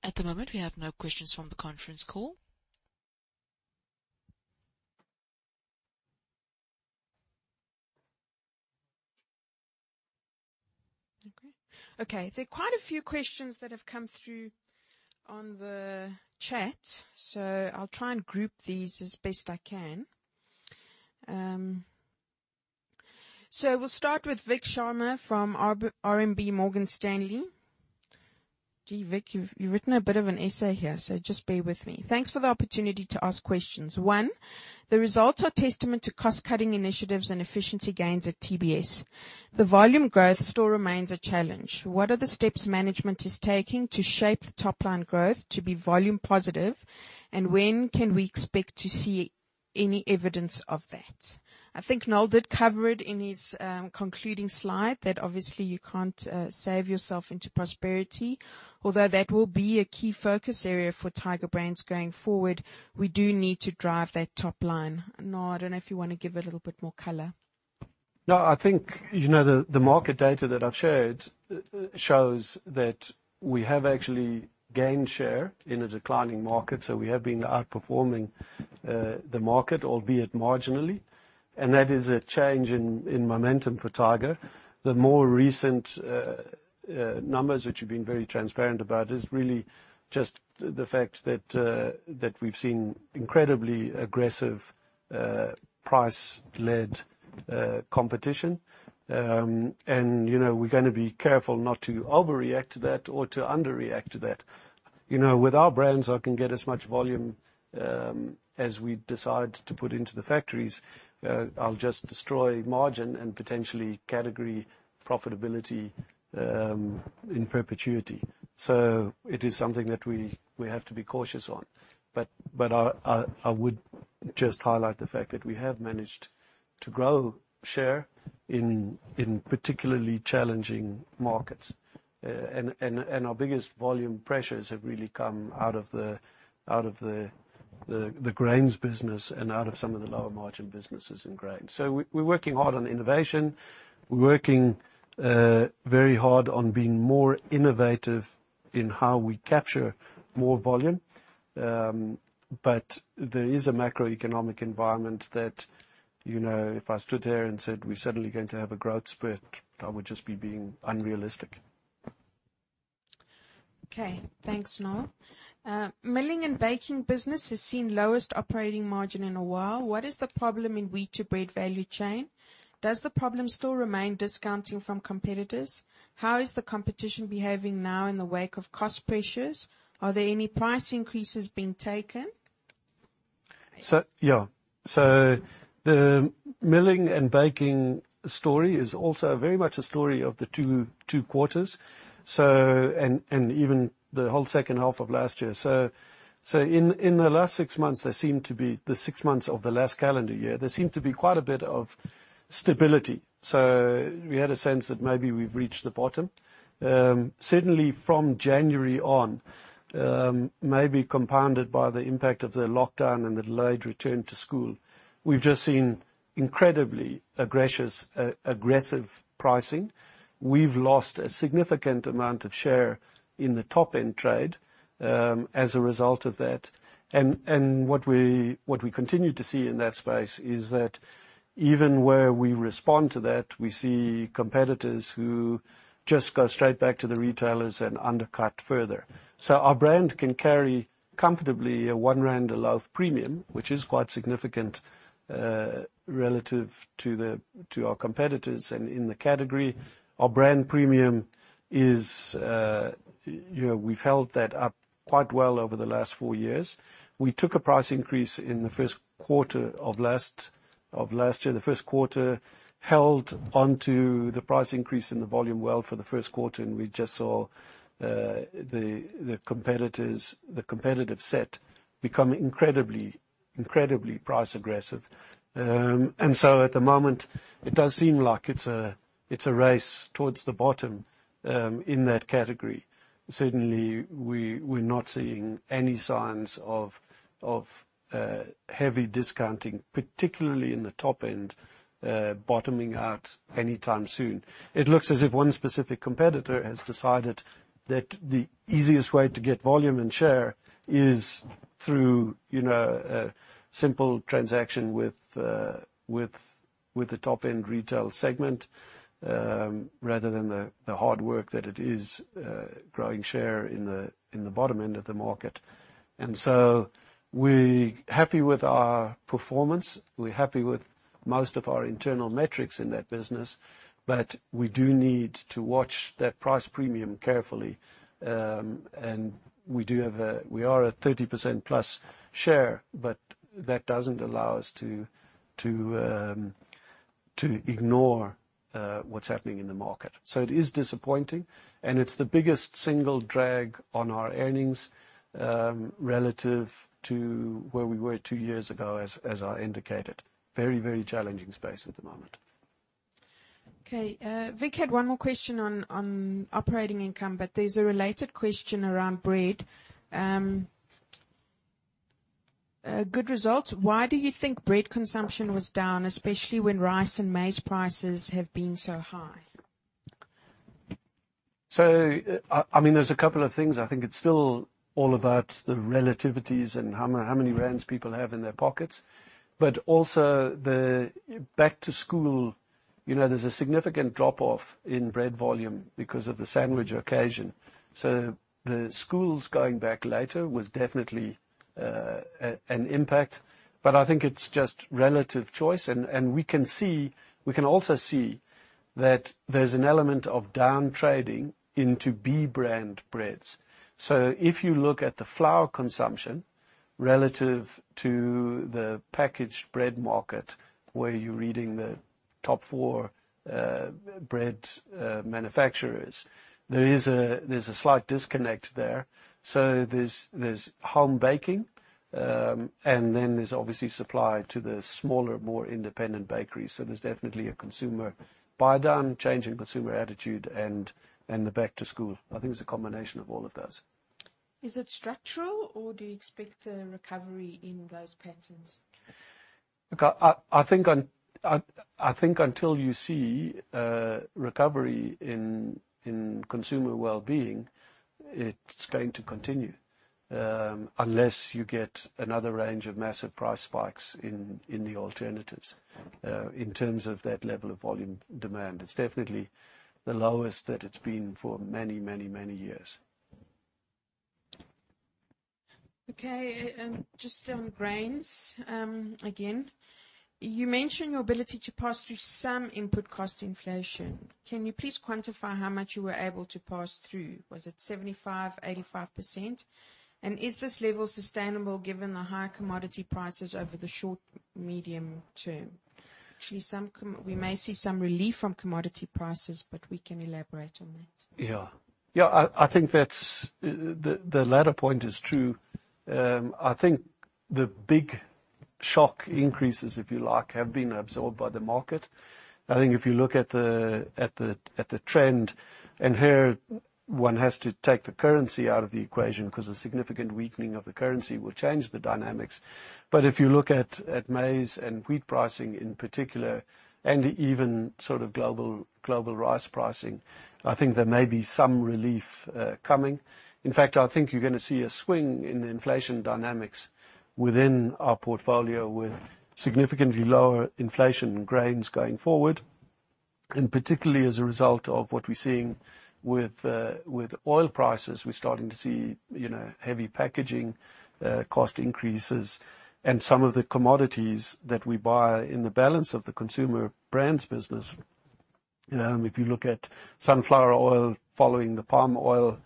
At the moment, we have no questions from the conference call. Okay. There are quite a few questions that have come through on the chat, so I'll try and group these as best I can. We'll start with Vik Sharma from RMB Morgan Stanley. Vik, you've written a bit of an essay here, so just bear with me. Thanks for the opportunity to ask questions. One, the results are testament to cost-cutting initiatives and efficiency gains at TBS. The volume growth still remains a challenge. What are the steps management is taking to shape the top line growth to be volume positive, and when can we expect to see any evidence of that? I think Noel did cover it in his concluding slide that obviously you can't save yourself into prosperity. That will be a key focus area for Tiger Brands going forward, we do need to drive that top line. Noel, I don't know if you want to give it a little bit more color. No, I think, the market data that I've showed shows that we have actually gained share in a declining market. We have been outperforming the market, albeit marginally. That is a change in momentum for Tiger. The more recent numbers, which we've been very transparent about, is really just the fact that we've seen incredibly aggressive price-led competition. We're going to be careful not to overreact to that or to under-react to that. With our brands, I can get as much volume as we decide to put into the factories. I'll just destroy margin and potentially category profitability in perpetuity. It is something that we have to be cautious on. I would just highlight the fact that we have managed to grow share in particularly challenging markets. Our biggest volume pressures have really come out of the grains business and out of some of the lower margin businesses in grains. We're working hard on innovation. We're working very hard on being more innovative in how we capture more volume. There is a macroeconomic environment that if I stood there and said, "We're suddenly going to have a growth spurt," I would just be being unrealistic. Okay. Thanks, Noel. Milling and baking business has seen lowest operating margin in a while. What is the problem in wheat to bread value chain? Does the problem still remain discounting from competitors? How is the competition behaving now in the wake of cost pressures? Are there any price increases being taken? The milling and baking story is also very much a story of the two quarters, and even the whole second half of last year. In the last six months, the six months of the last calendar year, there seemed to be quite a bit of stability. We had a sense that maybe we've reached the bottom. Certainly from January on, maybe compounded by the impact of the lockdown and the delayed return to school, we've just seen incredibly aggressive pricing. We've lost a significant amount of share in the top-end trade as a result of that. What we continue to see in that space is that even where we respond to that, we see competitors who just go straight back to the retailers and undercut further. Our brand can carry comfortably a 1 rand a loaf premium, which is quite significant relative to our competitors in the category. Our brand premium is, we've held that up quite well over the last four years. We took a price increase in the first quarter of last year. The first quarter held onto the price increase and the volume well for the first quarter, and we just saw the competitive set become incredibly price aggressive. At the moment, it does seem like it's a race towards the bottom in that category. Certainly, we're not seeing any signs of heavy discounting, particularly in the top end bottoming out anytime soon. It looks as if one specific competitor has decided that the easiest way to get volume and share is through a simple transaction with the top-end retail segment rather than the hard work that it is growing share in the bottom end of the market. We're happy with our performance. We're happy with most of our internal metrics in that business. We do need to watch that price premium carefully. We are a 30%+ share, but that doesn't allow us to ignore what's happening in the market. It is disappointing, and it's the biggest single drag on our earnings relative to where we were two years ago, as I indicated. Very challenging space at the moment. Okay. Vik had one more question on operating income. There's a related question around bread. Good results. Why do you think bread consumption was down, especially when rice and maize prices have been so high? There's a couple of things. I think it's still all about the relativities and how many rands people have in their pockets. Also the back to school, there's a significant drop-off in bread volume because of the sandwich occasion. The schools going back later was definitely an impact. I think it's just relative choice. We can also see that there's an element of down trading into B brand breads. If you look at the flour consumption relative to the packaged bread market, where you're reading the top four bread manufacturers, there's a slight disconnect there. There's home baking, and then there's obviously supply to the smaller, more independent bakeries. There's definitely a consumer buy-down, change in consumer attitude and the back-to-school. I think it's a combination of all of those. Is it structural or do you expect a recovery in those patterns? Look, I think until you see recovery in consumer wellbeing, it's going to continue. Unless you get another range of massive price spikes in the alternatives, in terms of that level of volume demand. It's definitely the lowest that it's been for many years. Okay. Just on grains, again, you mentioned your ability to pass through some input cost inflation. Can you please quantify how much you were able to pass through? Was it 75%, 85%? Is this level sustainable given the high commodity prices over the short, medium term? We may see some relief on commodity prices, but we can elaborate on that. I think the latter point is true. I think the big shock increases, if you like, have been absorbed by the market. I think if you look at the trend, here one has to take the currency out of the equation because a significant weakening of the currency will change the dynamics. If you look at maize and wheat pricing in particular, and even sort of global rice pricing, I think there may be some relief coming. I think you're going to see a swing in inflation dynamics within our portfolio with significantly lower inflation in grains going forward. Particularly as a result of what we're seeing with oil prices. We're starting to see heavy packaging cost increases and some of the commodities that we buy in the balance of the consumer brands business. If you look at sunflower oil following the palm oil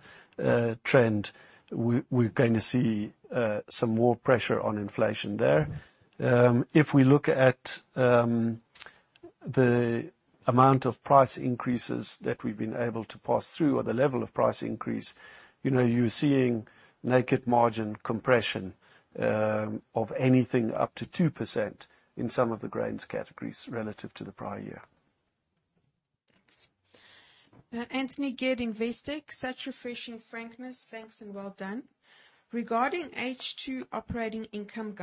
trend, we're going to see some more pressure on inflation there. If we look at the amount of price increases that we've been able to pass through or the level of price increase, you're seeing naked margin compression of anything up to 2% in some of the grains categories relative to the prior year. Thanks. Anthony Geard, Investec. Such refreshing frankness. Thanks and well done. Regarding H2 operating income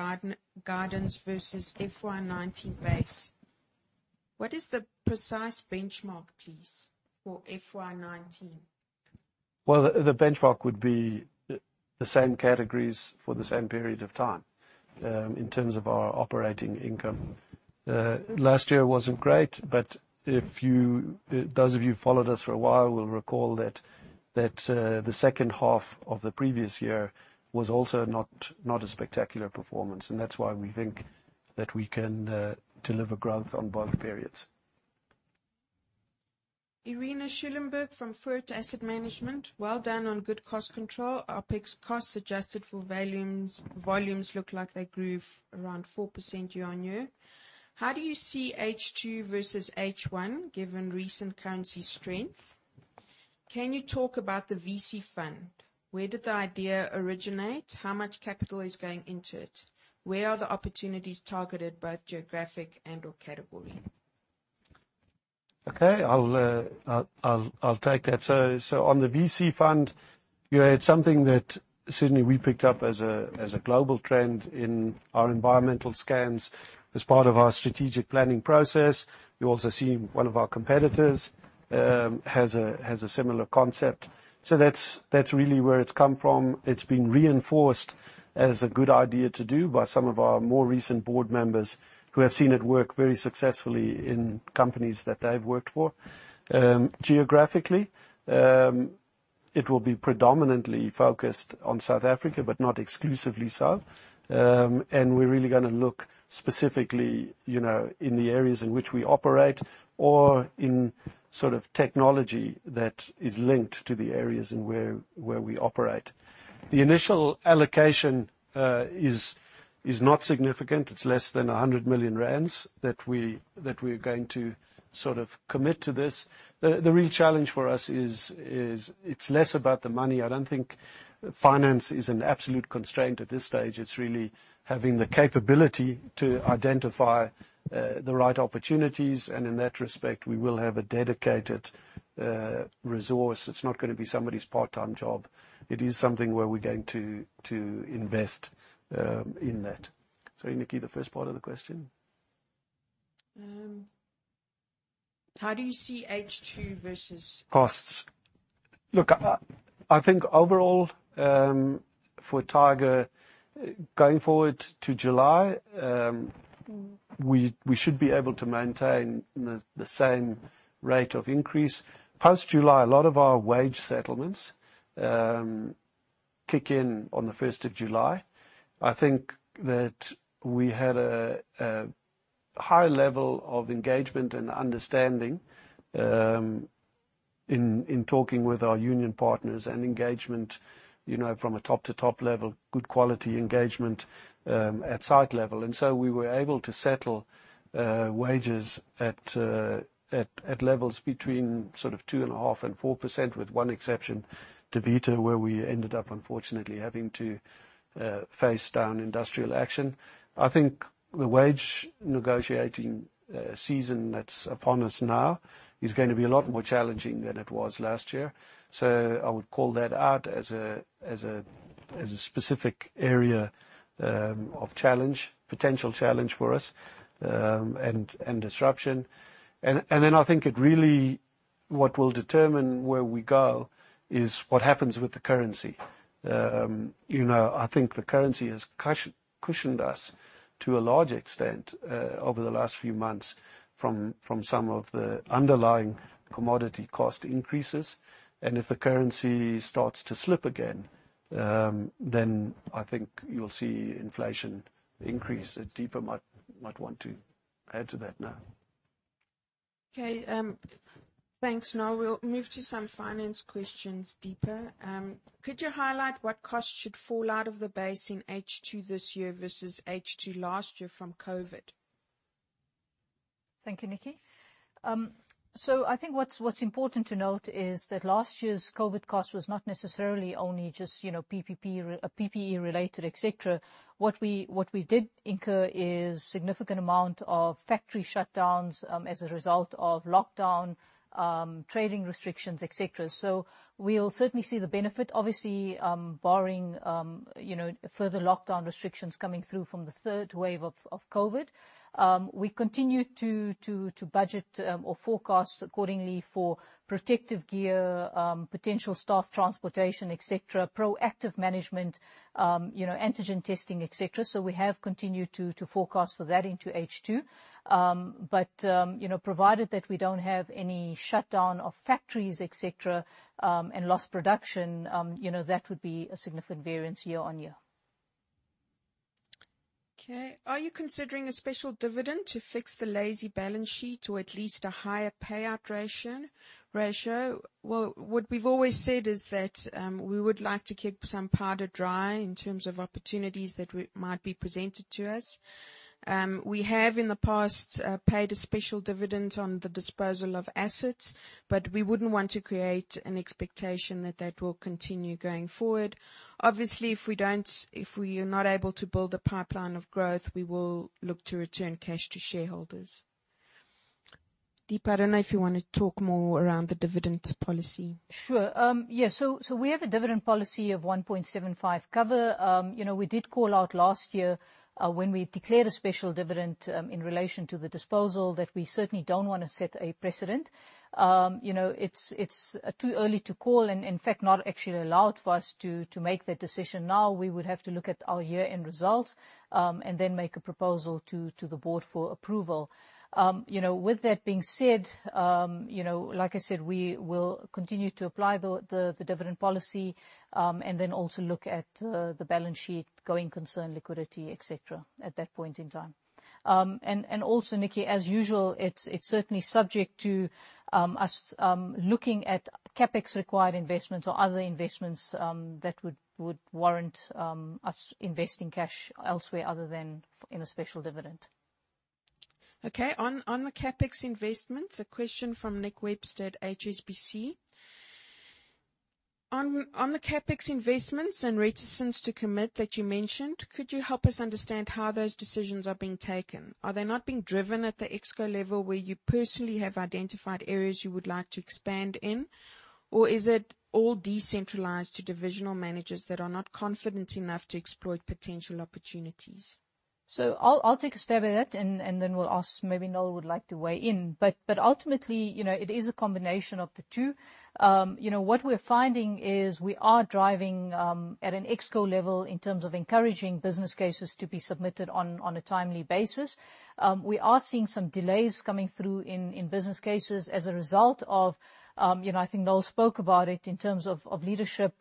guidance versus FY 2019 base, what is the precise benchmark, please, for FY 2019? Well, the benchmark would be the same categories for the same period of time in terms of our operating income. Last year wasn't great, but those of you followed us for a while will recall that the second half of the previous year was also not a spectacular performance, and that's why we think that we can deliver growth on both periods. Irina Schulenburg from Foord Asset Management. Well done on good cost control. OpEx costs adjusted for volumes look like they grew around 4% year-on-year. How do you see H2 versus H1 given recent currency strength? Can you talk about the VC fund? Where did the idea originate? How much capital is going into it? Where are the opportunities targeted, both geographic and/or category? Okay. I'll take that. On the VC fund, it's something that certainly we picked up as a global trend in our environmental scans as part of our strategic planning process. You also see one of our competitors has a similar concept. That's really where it's come from. It's been reinforced as a good idea to do by some of our more recent board members who have seen it work very successfully in companies that they've worked for. Geographically, it will be predominantly focused on South Africa, but not exclusively so. We're really going to look specifically in the areas in which we operate or in sort of technology that is linked to the areas in where we operate. The initial allocation is not significant. It's less than 100 million rand that we're going to sort of commit to this. The real challenge for us is, it's less about the money. I don't think finance is an absolute constraint at this stage. It's really having the capability to identify the right opportunities. In that respect, we will have a dedicated resource. It's not going to be somebody's part-time job. It is something where we're going to invest in that. Sorry, Nikki, the first part of the question? How do you see H2 versus. Costs. Look, I think overall, for Tiger, going forward to July, we should be able to maintain the same rate of increase. Past July, a lot of our wage settlements kick in on the 1st of July. I think that we had a. A high level of engagement and understanding in talking with our union partners and engagement from a top-to-top level, good quality engagement at site level. We were able to settle wages at levels between sort of 2.5% and 4%, with one exception, Davita, where we ended up, unfortunately, having to face down industrial action. I think the wage negotiating season that's upon us now is going to be a lot more challenging than it was last year. I would call that out as a specific area of potential challenge for us and disruption. I think what will determine where we go is what happens with the currency. I think the currency has cushioned us to a large extent over the last few months from some of the underlying commodity cost increases. If the currency starts to slip again, I think you'll see inflation increase. Deepa might want to add to that now. Okay. Thanks. We'll move to some finance questions, Deepa. Could you highlight what costs should fall out of the base in H2 this year versus H2 last year from COVID? Thank you, Nikki. I think what's important to note is that last year's COVID cost was not necessarily only just PPE related, et cetera. What we did incur is significant amount of factory shutdowns as a result of lockdown, trading restrictions, et cetera. We'll certainly see the benefit, obviously, barring further lockdown restrictions coming through from the third wave of COVID. We continue to budget or forecast accordingly for protective gear, potential staff transportation, et cetera, proactive management, antigen testing, et cetera. We have continued to forecast for that into H2. Provided that we don't have any shutdown of factories, et cetera, and lost production, that would be a significant variance year-on-year. Okay. Are you considering a special dividend to fix the lazy balance sheet or at least a higher payout ratio? Well, what we've always said is that we would like to keep some powder dry in terms of opportunities that might be presented to us. We have in the past paid a special dividend on the disposal of assets, but we wouldn't want to create an expectation that that will continue going forward. Obviously, if we are not able to build a pipeline of growth, we will look to return cash to shareholders. Deepa, I don't know if you want to talk more around the dividends policy. Sure. We have a dividend policy of 1.75 cover. We did call out last year when we declared a special dividend in relation to the disposal that we certainly don't want to set a precedent. It's too early to call and in fact not actually allowed for us to make that decision now. We would have to look at our year-end results then make a proposal to the board for approval. With that being said, like I said, we will continue to apply the dividend policy then also look at the balance sheet, going concern liquidity, et cetera, at that point in time. Also, Nikki, as usual, it's certainly subject to us looking at CapEx required investments or other investments that would warrant us investing cash elsewhere other than in a special dividend. Okay. On the CapEx investments, a question from Nick Webster, HSBC. On the CapEx investments and reticence to commit that you mentioned, could you help us understand how those decisions are being taken? Are they not being driven at the ExCo level where you personally have identified areas you would like to expand in, or is it all decentralized to divisional managers that are not confident enough to exploit potential opportunities? I'll take a stab at that, and then we'll ask, maybe Noel would like to weigh in. Ultimately, it is a combination of the two. What we're finding is we are driving at an ExCo level in terms of encouraging business cases to be submitted on a timely basis. We are seeing some delays coming through in business cases as a result of, I think Noel spoke about it in terms of leadership,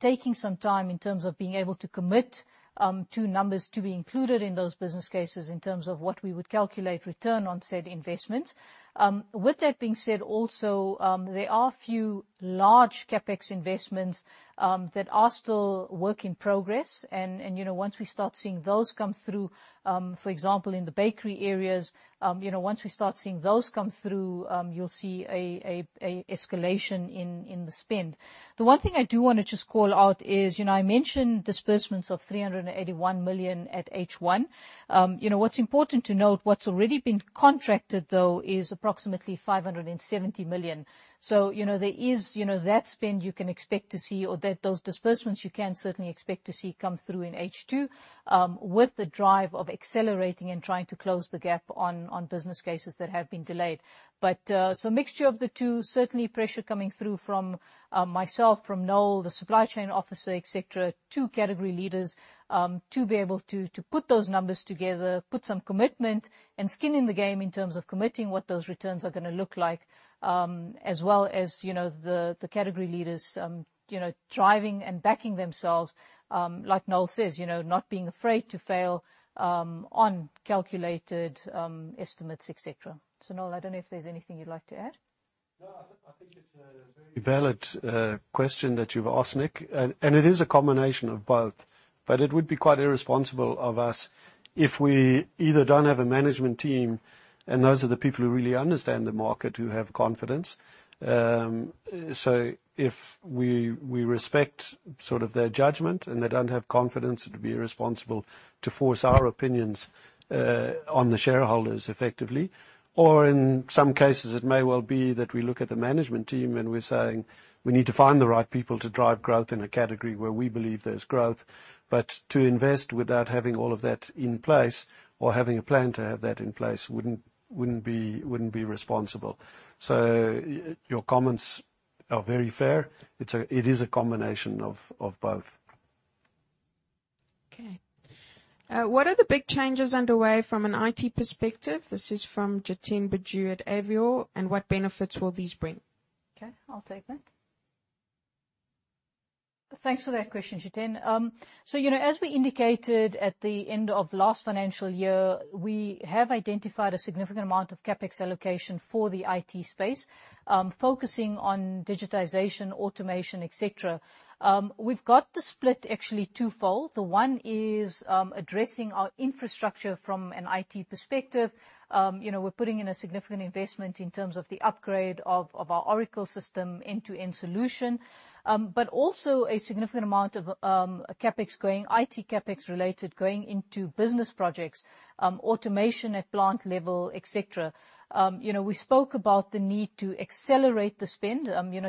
taking some time in terms of being able to commit to numbers to be included in those business cases in terms of what we would calculate return on said investments. With that being said, also, there are a few large CapEx investments that are still work in progress, and once we start seeing those come through, for example, in the bakery areas, once we start seeing those come through, you'll see an escalation in the spend. The one thing I do want to just call out is, I mentioned disbursements of 381 million at H1. What's important to note, what's already been contracted, though, is approximately 570 million. There is that spend you can expect to see or those disbursements you can certainly expect to see come through in H2 with the drive of accelerating and trying to close the gap on business cases that have been delayed. It's a mixture of the two. Certainly pressure coming through from myself, from Noel, the supply chain officer, et cetera, to category leaders to be able to put those numbers together, put some commitment and skin in the game in terms of committing what those returns are going to look like, as well as the category leaders driving and backing themselves. Like Noel says, not being afraid to fail on calculated estimates, et cetera. Noel, I don't know if there's anything you'd like to add. I think it's a very valid question that you've asked, Nick. It is a combination of both, but it would be quite irresponsible of us if we either don't have a management team, and those are the people who really understand the market, who have confidence. If we respect their judgment and they don't have confidence, it would be irresponsible to force our opinions on the shareholders effectively. In some cases, it may well be that we look at the management team and we're saying we need to find the right people to drive growth in a category where we believe there's growth. To invest without having all of that in place or having a plan to have that in place wouldn't be responsible. Your comments are very fair. It is a combination of both. Okay. What are the big changes underway from an IT perspective? This is from Jiten Bechoo at Avior. What benefits will these bring? Okay, I'll take that. Thanks for that question, Jiten. As we indicated at the end of last financial year, we have identified a significant amount of CapEx allocation for the IT space, focusing on digitization, automation, et cetera. We've got the split actually twofold. The one is addressing our infrastructure from an IT perspective. We're putting in a significant investment in terms of the upgrade of our Oracle system end-to-end solution. Also a significant amount of IT CapEx related going into business projects, automation at plant level, et cetera. We spoke about the need to accelerate the spend.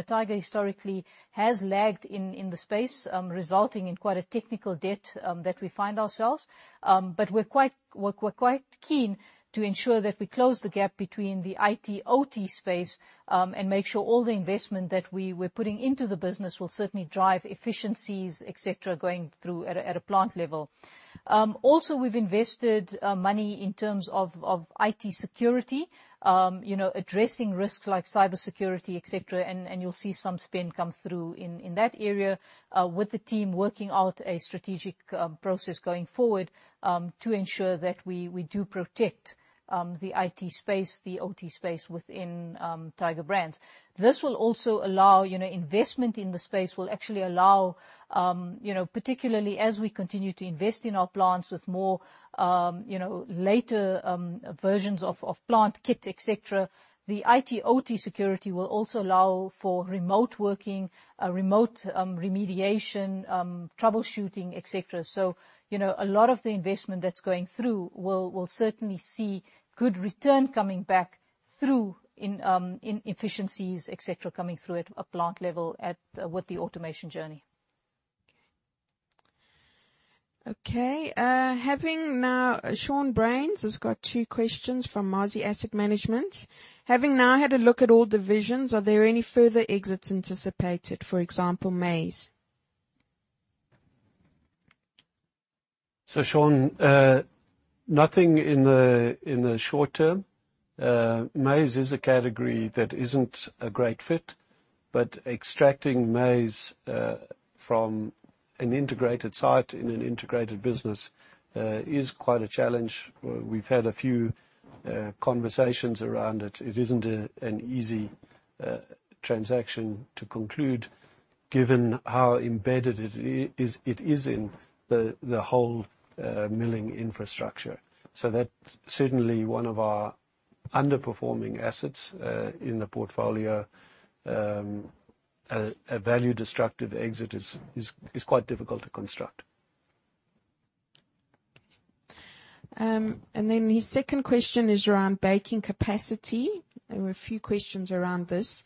Tiger historically has lagged in the space, resulting in quite a technical debt that we find ourselves. We're quite keen to ensure that we close the gap between the IT/OT space and make sure all the investment that we're putting into the business will certainly drive efficiencies, et cetera, going through at a plant level. We've invested money in terms of IT security, addressing risks like cybersecurity, et cetera. You'll see some spend come through in that area with the team working out a strategic process going forward to ensure that we do protect the IT space, the OT space within Tiger Brands. Investment in the space will actually allow, particularly as we continue to invest in our plants with more later versions of plant kit, et cetera. The IT/OT security will also allow for remote working, remote remediation, troubleshooting, et cetera. A lot of the investment that's going through will certainly see good return coming back through in efficiencies, et cetera, coming through at a plant level with the automation journey. Okay. Shaun Bruyns has got two questions from Mazi Asset Management. Having now had a look at all divisions, are there any further exits anticipated? For example, maize. Shaun, nothing in the short term. Maize is a category that isn't a great fit, but extracting maize from an integrated site in an integrated business is quite a challenge. We've had a few conversations around it. It isn't an easy transaction to conclude given how embedded it is in the whole milling infrastructure. That's certainly one of our underperforming assets in the portfolio. A value-destructive exit is quite difficult to construct. His second question is around baking capacity. There were a few questions around this.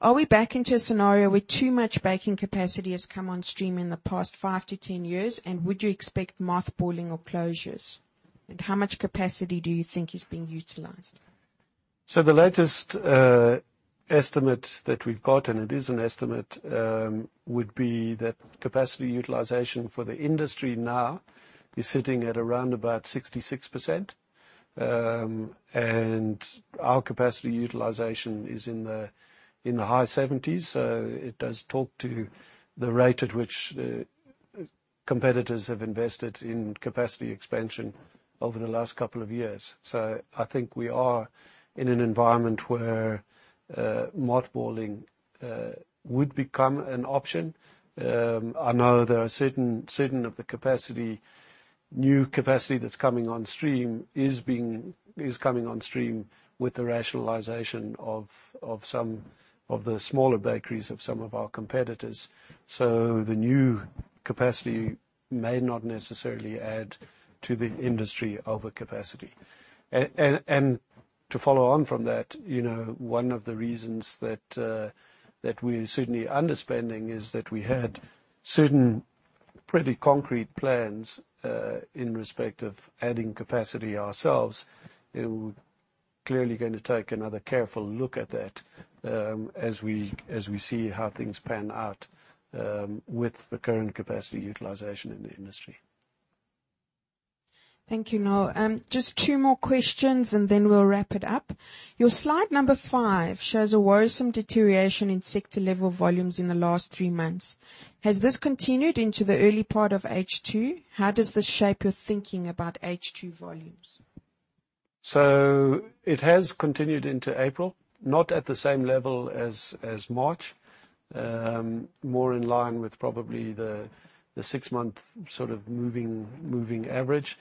Are we back into a scenario where too much baking capacity has come on stream in the past 5-10 years, and would you expect mothballing or closures? How much capacity do you think is being utilized? The latest estimate that we've got, and it is an estimate, would be that capacity utilization for the industry now is sitting at around about 66%. Our capacity utilization is in the high 70s. It does talk to the rate at which competitors have invested in capacity expansion over the last couple of years. I think we are in an environment where mothballing would become an option. I know that certain of the new capacity that's coming on stream is coming on stream with the rationalization of some of the smaller bakeries of some of our competitors. The new capacity may not necessarily add to the industry overcapacity. To follow on from that, one of the reasons that we are certainly underspending is that we had certain pretty concrete plans in respect of adding capacity ourselves. We're clearly going to take another careful look at that as we see how things pan out with the current capacity utilization in the industry. Thank you, Noel. Just two more questions and then we'll wrap it up. Your slide number five shows a worrisome deterioration in sector-level volumes in the last three months. Has this continued into the early part of H2? How does this shape your thinking about H2 volumes? It has continued into April, not at the same level as March. More in line with probably the six-month moving average.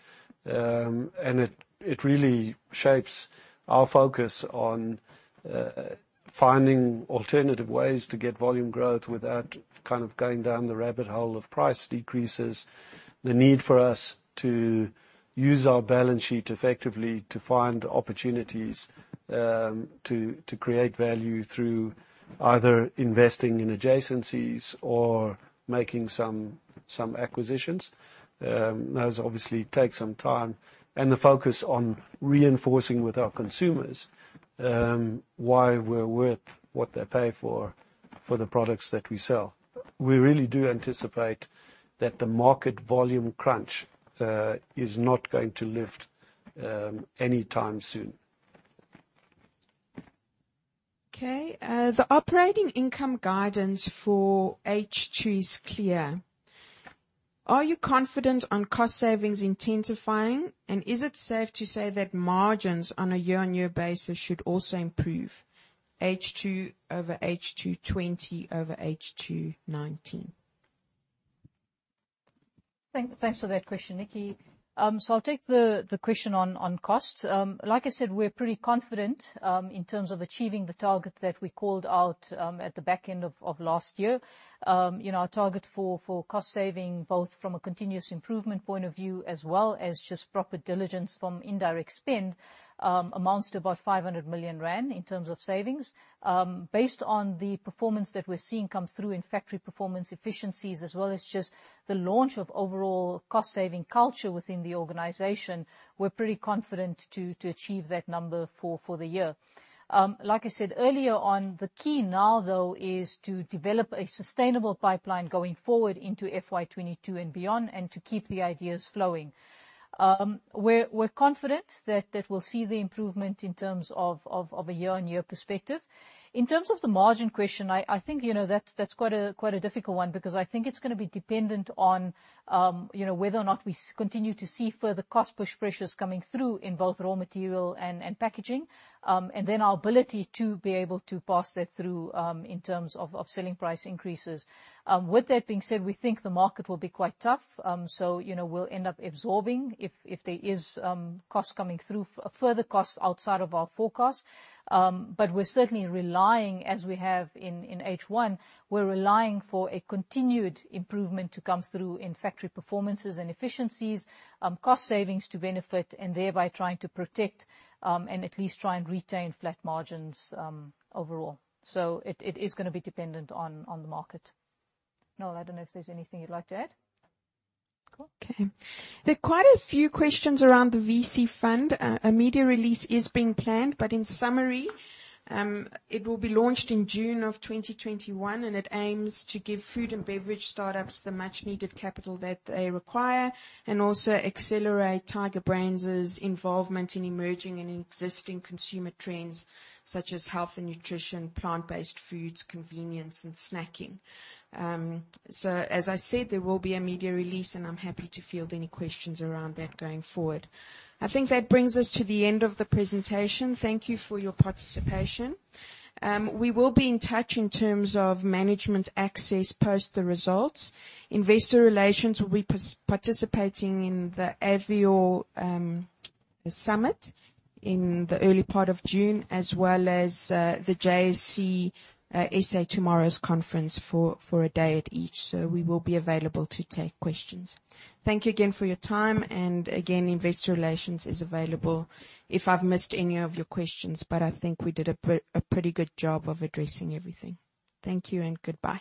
It really shapes our focus on finding alternative ways to get volume growth without going down the rabbit hole of price decreases. The need for us to use our balance sheet effectively to find opportunities to create value through either investing in adjacencies or making some acquisitions. Those obviously take some time, a focus on reinforcing with our consumers why we're worth what they pay for the products that we sell. We really do anticipate that the market volume crunch is not going to lift anytime soon. Okay. The operating income guidance for H2 is clear. Are you confident on cost-savings intensifying, and is it safe to say that margins on a year-on-year basis should also improve H2 over H2 2020 over H2 2019? Thanks for that question, Nikki. I'll take the question on costs. Like I said, we're pretty confident in terms of achieving the target that we called out at the back end of last year. Our target for cost-saving, both from a continuous improvement point of view as well as just proper diligence from indirect spend, amounts to about 500 million rand in terms of savings. Based on the performance that we're seeing come through in factory performance efficiencies as well as just the launch of overall cost-saving culture within the organization, we're pretty confident to achieve that number for the year. Like I said earlier on, the key now, though, is to develop a sustainable pipeline going forward into FY 2022 and beyond and to keep the ideas flowing. We're confident that we'll see the improvement in terms of a year-on-year perspective. In terms of the margin question, I think that's quite a difficult one because I think it's going to be dependent on whether or not we continue to see further cost-push pressures coming through in both raw material and packaging, and then our ability to be able to pass that through in terms of selling price increases. With that being said, we think the market will be quite tough, so we'll end up absorbing if there is further cost coming through outside of our forecast. We're certainly relying, as we have in H1, we're relying for a continued improvement to come through in factory performances and efficiencies, cost-savings to benefit, and thereby trying to protect and at least try and retain flat margins overall. It is going to be dependent on the market. Noel, I don't know if there's anything you'd like to add. Cool. Okay. There are quite a few questions around the VC fund. In summary, it will be launched in June 2021, and it aims to give food and beverage startups the much needed capital that they require and also accelerate Tiger Brands' involvement in emerging and existing consumer trends such as health and nutrition, plant-based foods, convenience, and snacking. As I said, there will be a media release, and I'm happy to field any questions around that going forward. I think that brings us to the end of the presentation. Thank you for your participation. We will be in touch in terms of management access post the results. Investor relations will be participating in the Avior Summit in the early part of June, as well as the JSE SA Tomorrow Investor Conference for a day at each. We will be available to take questions. Thank you again for your time, and again, investor relations is available if I've missed any of your questions, but I think we did a pretty good job of addressing everything. Thank you and goodbye.